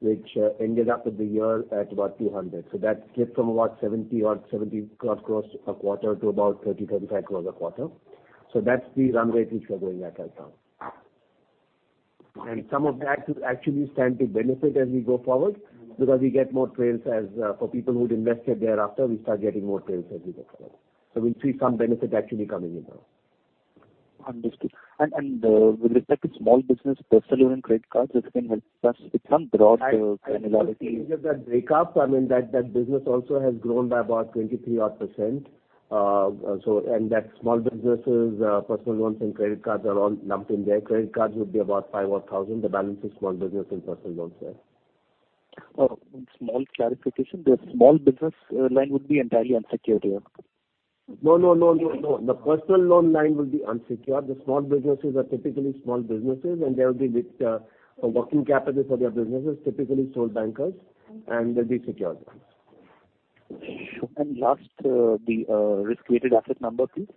which ended up with the year at about 200 crores. So that slipped from about 70 or 72 crores a quarter to about 30-35 crore a quarter. So that's the run rate which we're going at right now. And some of that will actually stand to benefit as we go forward, because we get more trails as for people who'd invested thereafter, we start getting more trails as we go forward. So we see some benefit actually coming in now.
Understood. And with respect to small business, personal loan, and credit cards, if you can help us with some broad granularity.
I think that breakup, I mean, that business also has grown by about 23% odd. So and that small businesses, personal loans and credit cards are all lumped in there. Credit cards would be about 5,000-odd crore. The balance is small business and personal loans there.
Oh, one small clarification. The small business line would be entirely unsecured here?
No, no, no, no, no. The personal loan line will be unsecured. The small businesses are typically small businesses, and they'll be with a working capital for their businesses, typically sole proprietors, and they'll be secured.
And last, the risk-weighted asset number, please.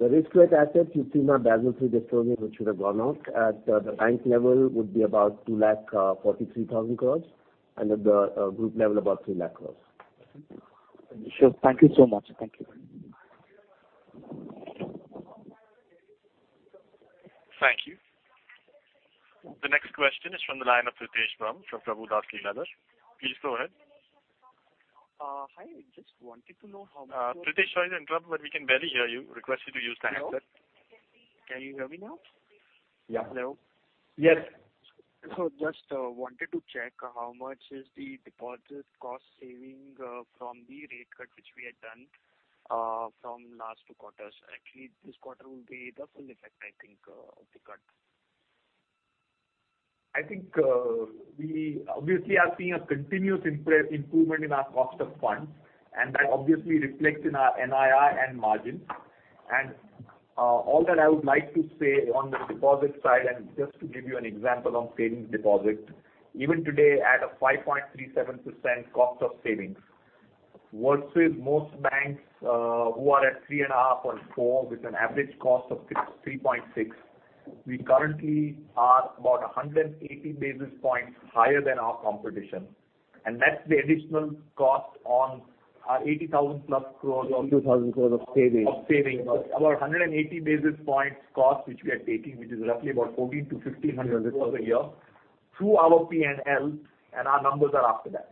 The risk-weighted assets, you've seen our Basel III disclosure, which should have gone out at the bank level, would be about 243,000 crores, and at the group level, about 300,000 crores.
Sure. Thank you so much. Thank you.
Thank you. The next question is from the line of Ritesh Bumb from Prabhudas Lilladher. Please go ahead.
Hi, just wanted to know how much-
Ritesh, sorry to interrupt, but we can barely hear you. Request you to use the handset.
Hello? Can you hear me now?
Yeah.
Hello.
Yes.
So just wanted to check how much is the deposit cost saving from the rate cut, which we had done from last two quarters? Actually, this quarter will be the full effect, I think, of the cut....
I think, we obviously are seeing a continuous improvement in our cost of funds, and that obviously reflects in our NII and margin, and all that I would like to say on the deposit side, and just to give you an example on savings deposit, even today at a 5.37% cost of savings, versus most banks who are at 3.5% or 4%, with an average cost of 3.6%, we currently are about 180 basis points higher than our competition, and that's the additional cost on our 80,000+ crores of- 2,000 crores of savings. Of savings. About 180 basis points cost, which we are taking, which is roughly about 1,400- 1,500 crores a year, through our P&L, and our numbers are after that.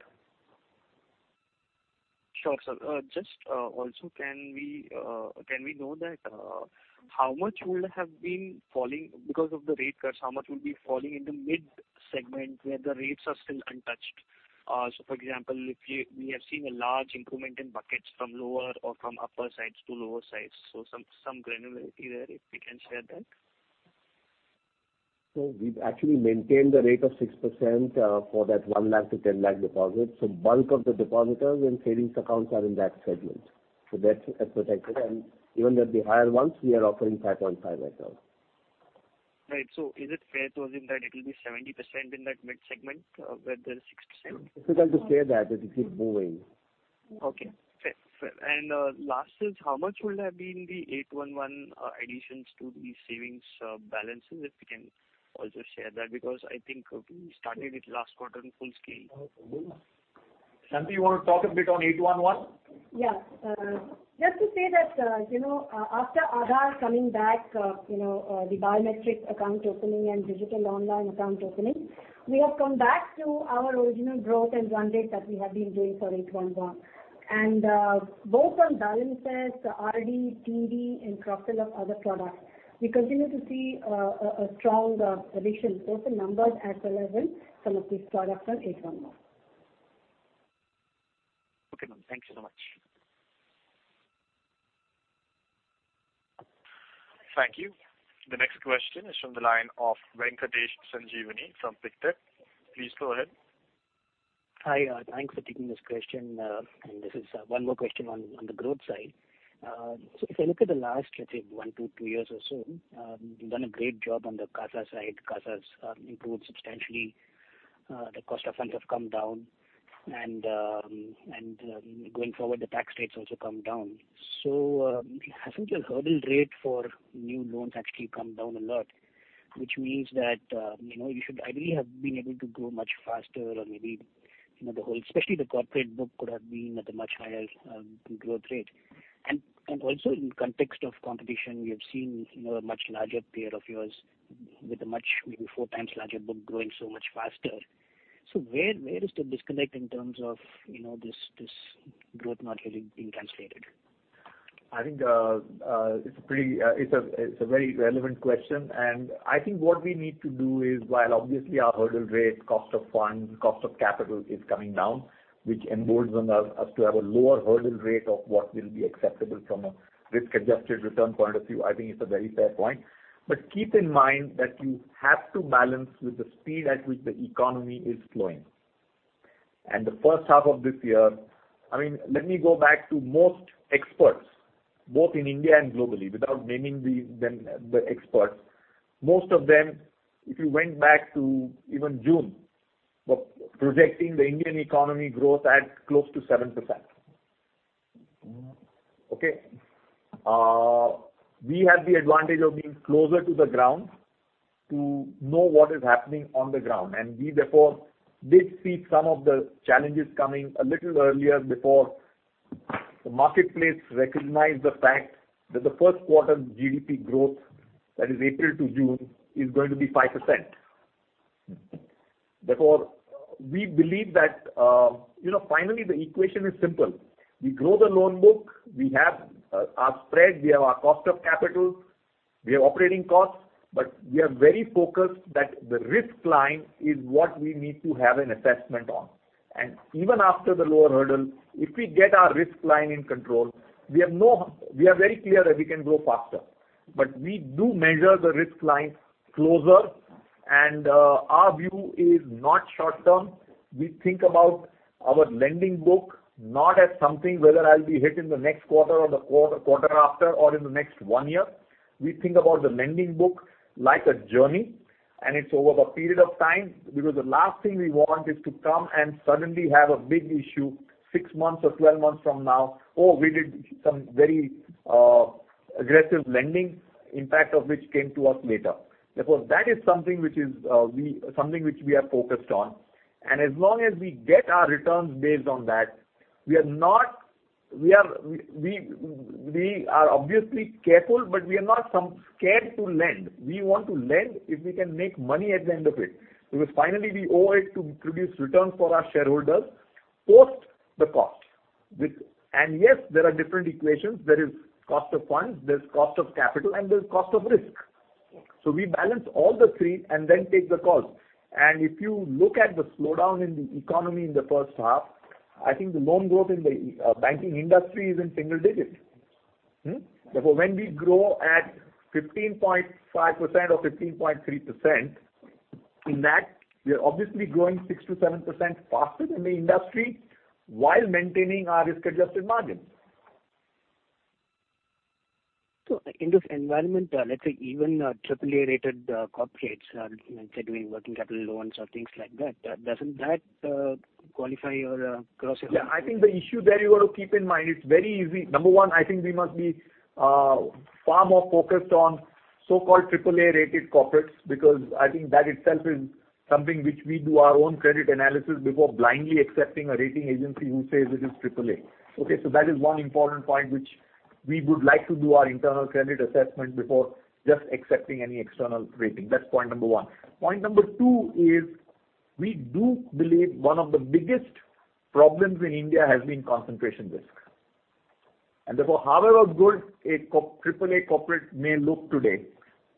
Sure, sir. Just, also, can we know that, how much would have been falling because of the rate cuts, how much would be falling in the mid-segment, where the rates are still untouched? So for example, we have seen a large improvement in buckets from lower or from upper sides to lower sides, so some granularity there, if we can share that.
We've actually maintained the rate of 6% for that 100,000-1000,000 deposits. Bulk of the depositors and savings accounts are in that segment. That's protected, and even with the higher ones, we are offering 5.5% right now.
Right. So is it fair to assume that it will be 70% in that mid-segment, where there is 6%?
It's difficult to say that it keeps moving.
Okay. Fair, fair. And last is, how much would have been the 811 additions to the savings balances, if you can also share that? Because I think we started it last quarter in full scale.
Shanti, you want to talk a bit on 811?
Yeah. Just to say that, you know, after Aadhaar coming back, the biometric account opening and digital online account opening, we have come back to our original growth and run rate that we have been doing for 811. And both on balances, RD, TD and profile of other products, we continue to see a strong addition. So the numbers as relevant, some of these products are 811.
Okay, ma'am. Thank you so much.
Thank you. The next question is from the line of Venkatesh Sanjeevi from Pictet. Please go ahead.
Hi, thanks for taking this question, and this is one more question on, on the growth side, so if I look at the last, let's say, one to two years or so, you've done a great job on the CASA side. CASAs improved substantially, the cost of funds have come down, and, and going forward, the tax rates also come down, so I think the hurdle rate for new loans actually come down a lot, which means that, you know, you should ideally have been able to grow much faster or maybe, you know, the whole, especially the corporate book could have been at a much higher, growth rate, and also in context of competition, we have seen, you know, a much larger peer of yours with a much, maybe four times larger book growing so much faster. So where is the disconnect in terms of, you know, this growth not having been translated?
I think it's a pretty relevant question, and I think what we need to do is, while obviously our hurdle rate, cost of funds, cost of capital is coming down, which emboldens us to have a lower hurdle rate of what will be acceptable from a risk-adjusted return point of view. I think it's a very fair point, but keep in mind that you have to balance with the speed at which the economy is flowing, and the first half of this year. I mean, let me go back to most experts, both in India and globally, without naming them, the experts. Most of them, if you went back to even June, were projecting the Indian economy growth at close to 7%. Okay? We have the advantage of being closer to the ground, to know what is happening on the ground, and we therefore did see some of the challenges coming a little earlier before the marketplace recognized the fact that the first quarter GDP growth, that is April to June, is going to be 5%. Therefore, we believe that, you know, finally, the equation is simple. We grow the loan book, we have our spread, we have our cost of capital, we have operating costs, but we are very focused that the risk line is what we need to have an assessment on. Even after the lower hurdle, if we get our risk line in control, we are very clear that we can grow faster. But we do measure the risk line closer, and our view is not short term. We think about our lending book, not as something whether I'll be hit in the next quarter or the quarter after or in the next one year. We think about the lending book like a journey, and it's over a period of time, because the last thing we want is to come and suddenly have a big issue six months or twelve months from now, "Oh, we did some very aggressive lending, impact of which came to us later." Therefore, that is something which we are focused on. And as long as we get our returns based on that, we are not. We are obviously careful, but we are not so scared to lend. We want to lend if we can make money at the end of it. Because finally, we owe it to produce returns for our shareholders, post the cost, which and yes, there are different equations. There is cost of funds, there's cost of capital, and there's cost of risk. So we balance all the three and then take the call. If you look at the slowdown in the economy in the first half, I think the loan growth in the banking industry is in single digits. Mm-hmm. Therefore, when we grow at 15.5% or 15.3%, in that, we are obviously growing 6% to 7% faster than the industry, while maintaining our risk-adjusted margin.
In this environment, let's say even a AAA-rated corporates are doing working capital loans or things like that, doesn't that qualify your cross-sell?
Yeah, I think the issue there you got to keep in mind. It's very easy. Number one, I think we must be far more focused on so-called AAA-rated corporates, because I think that itself is something which we do our own credit analysis before blindly accepting a rating agency who says it is AAA. Okay, so that is one important point which we would like to do our internal credit assessment before just accepting any external rating. That's point number one. Point number two is, we do believe one of the biggest problems in India has been concentration risk. And therefore, however good a corporate AAA corporate may look today,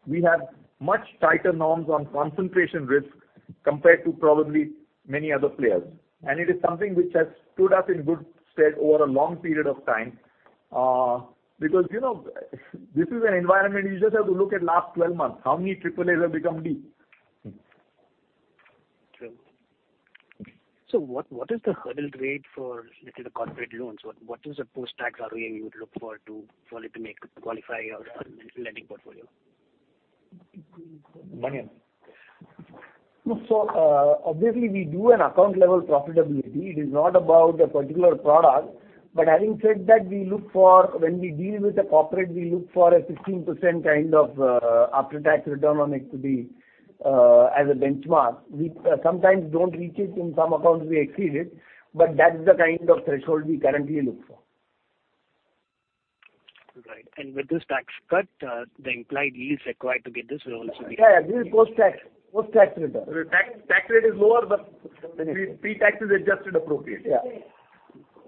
we have much tighter norms on concentration risk compared to probably many other players. And it is something which has stood us in good stead over a long period of time. Because, you know, this is an environment, you just have to look at last twelve months, how many AAAs have become B?
True. So what, what is the hurdle rate for, let's say, the corporate loans? What, what is the post-tax ROE you would look for to- for it to make, qualify your, lending portfolio?
Mani?
So, obviously, we do an account-level profitability. It is not about a particular product. But having said that, we look for, when we deal with a corporate, we look for a 15% kind of, after-tax return on equity, as a benchmark. We, sometimes don't reach it, in some accounts we exceed it, but that's the kind of threshold we currently look for.
Right. And with this tax cut, the implied yields required to get this will also be-
Yeah, this is post-tax, post-tax return.
The tax rate is lower, but pre-tax is adjusted appropriately.
Yeah.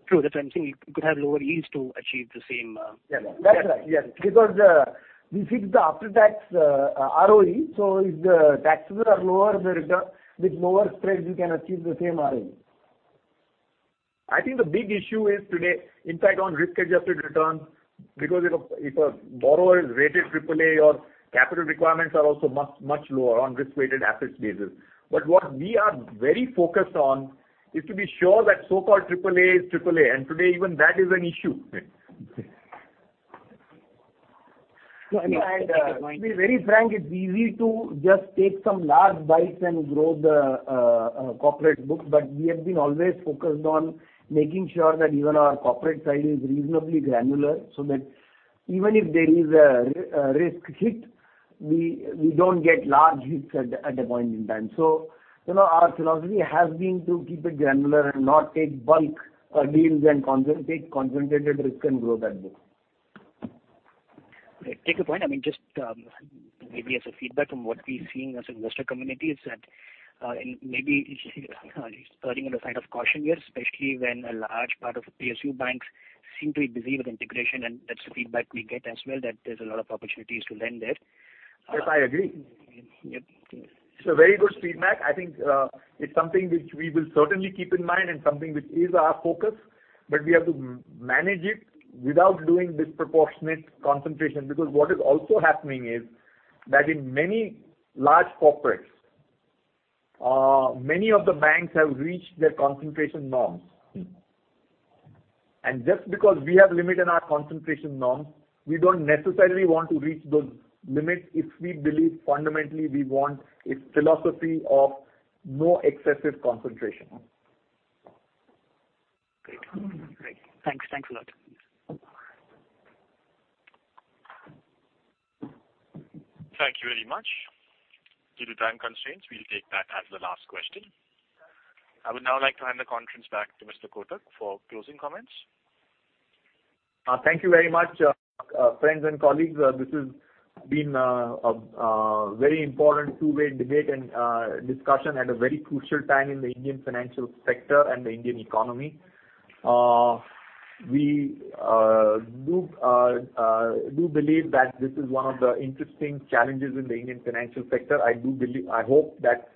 True, that's why I'm saying you could have lower yields to achieve the same.
That's right, yes. Because, we fix the after-tax, ROE, so if the taxes are lower, the return, with lower spreads, you can achieve the same ROE.
I think the big issue is today, impact on risk-adjusted returns, because if a borrower is rated AAA, your capital requirements are also much, much lower on risk-weighted assets basis. But what we are very focused on is to be sure that so-called AAA is AAA, and today, even that is an issue.
So I know, I take your point.
To be very frank, it's easy to just take some large bites and grow the corporate book, but we have been always focused on making sure that even our corporate side is reasonably granular, so that even if there is a risk hit, we don't get large hits at the point in time. So, you know, our philosophy has been to keep it granular and not take bulk deals and concentrated risk and grow that book.
I take your point. I mean, just, maybe as a feedback from what we're seeing as investor community is that, and maybe erring on the side of caution here, especially when a large part of PSU banks seem to be busy with integration, and that's the feedback we get as well, that there's a lot of opportunities to lend there.
Yes, I agree.
Yep.
It's a very good feedback. I think, it's something which we will certainly keep in mind and something which is our focus, but we have to manage it without doing disproportionate concentration. Because what is also happening is, that in many large corporates, many of the banks have reached their concentration norms. And just because we have limit in our concentration norms, we don't necessarily want to reach those limits, if we believe fundamentally we want a philosophy of no excessive concentration.
Great. Thanks a lot.
Thank you very much. Due to time constraints, we'll take that as the last question. I would now like to hand the conference back to Mr. Kotak for closing comments.
Thank you very much, friends and colleagues. This has been a very important two-way debate and discussion at a very crucial time in the Indian financial sector and the Indian economy. We do believe that this is one of the interesting challenges in the Indian financial sector. I do believe I hope that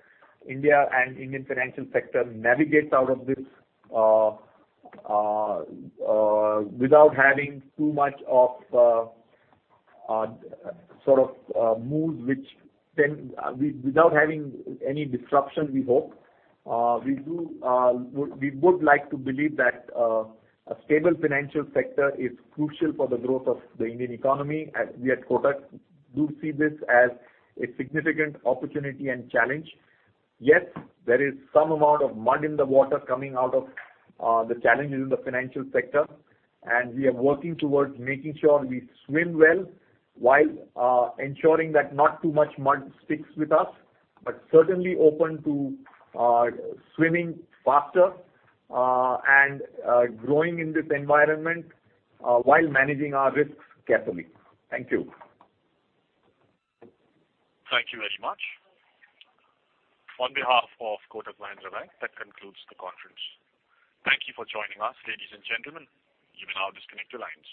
India and Indian financial sector navigates out of this, without having too much of sort of moves which then... Without having any disruption, we hope. We would like to believe that a stable financial sector is crucial for the growth of the Indian economy. We at Kotak do see this as a significant opportunity and challenge. Yes, there is some amount of mud in the water coming out of the challenges in the financial sector, and we are working towards making sure we swim well, while ensuring that not too much mud sticks with us, but certainly open to swimming faster and growing in this environment while managing our risks carefully. Thank you.
Thank you very much. On behalf of Kotak Mahindra Bank, that concludes the conference. Thank you for joining us, ladies and gentlemen. You may now disconnect your lines.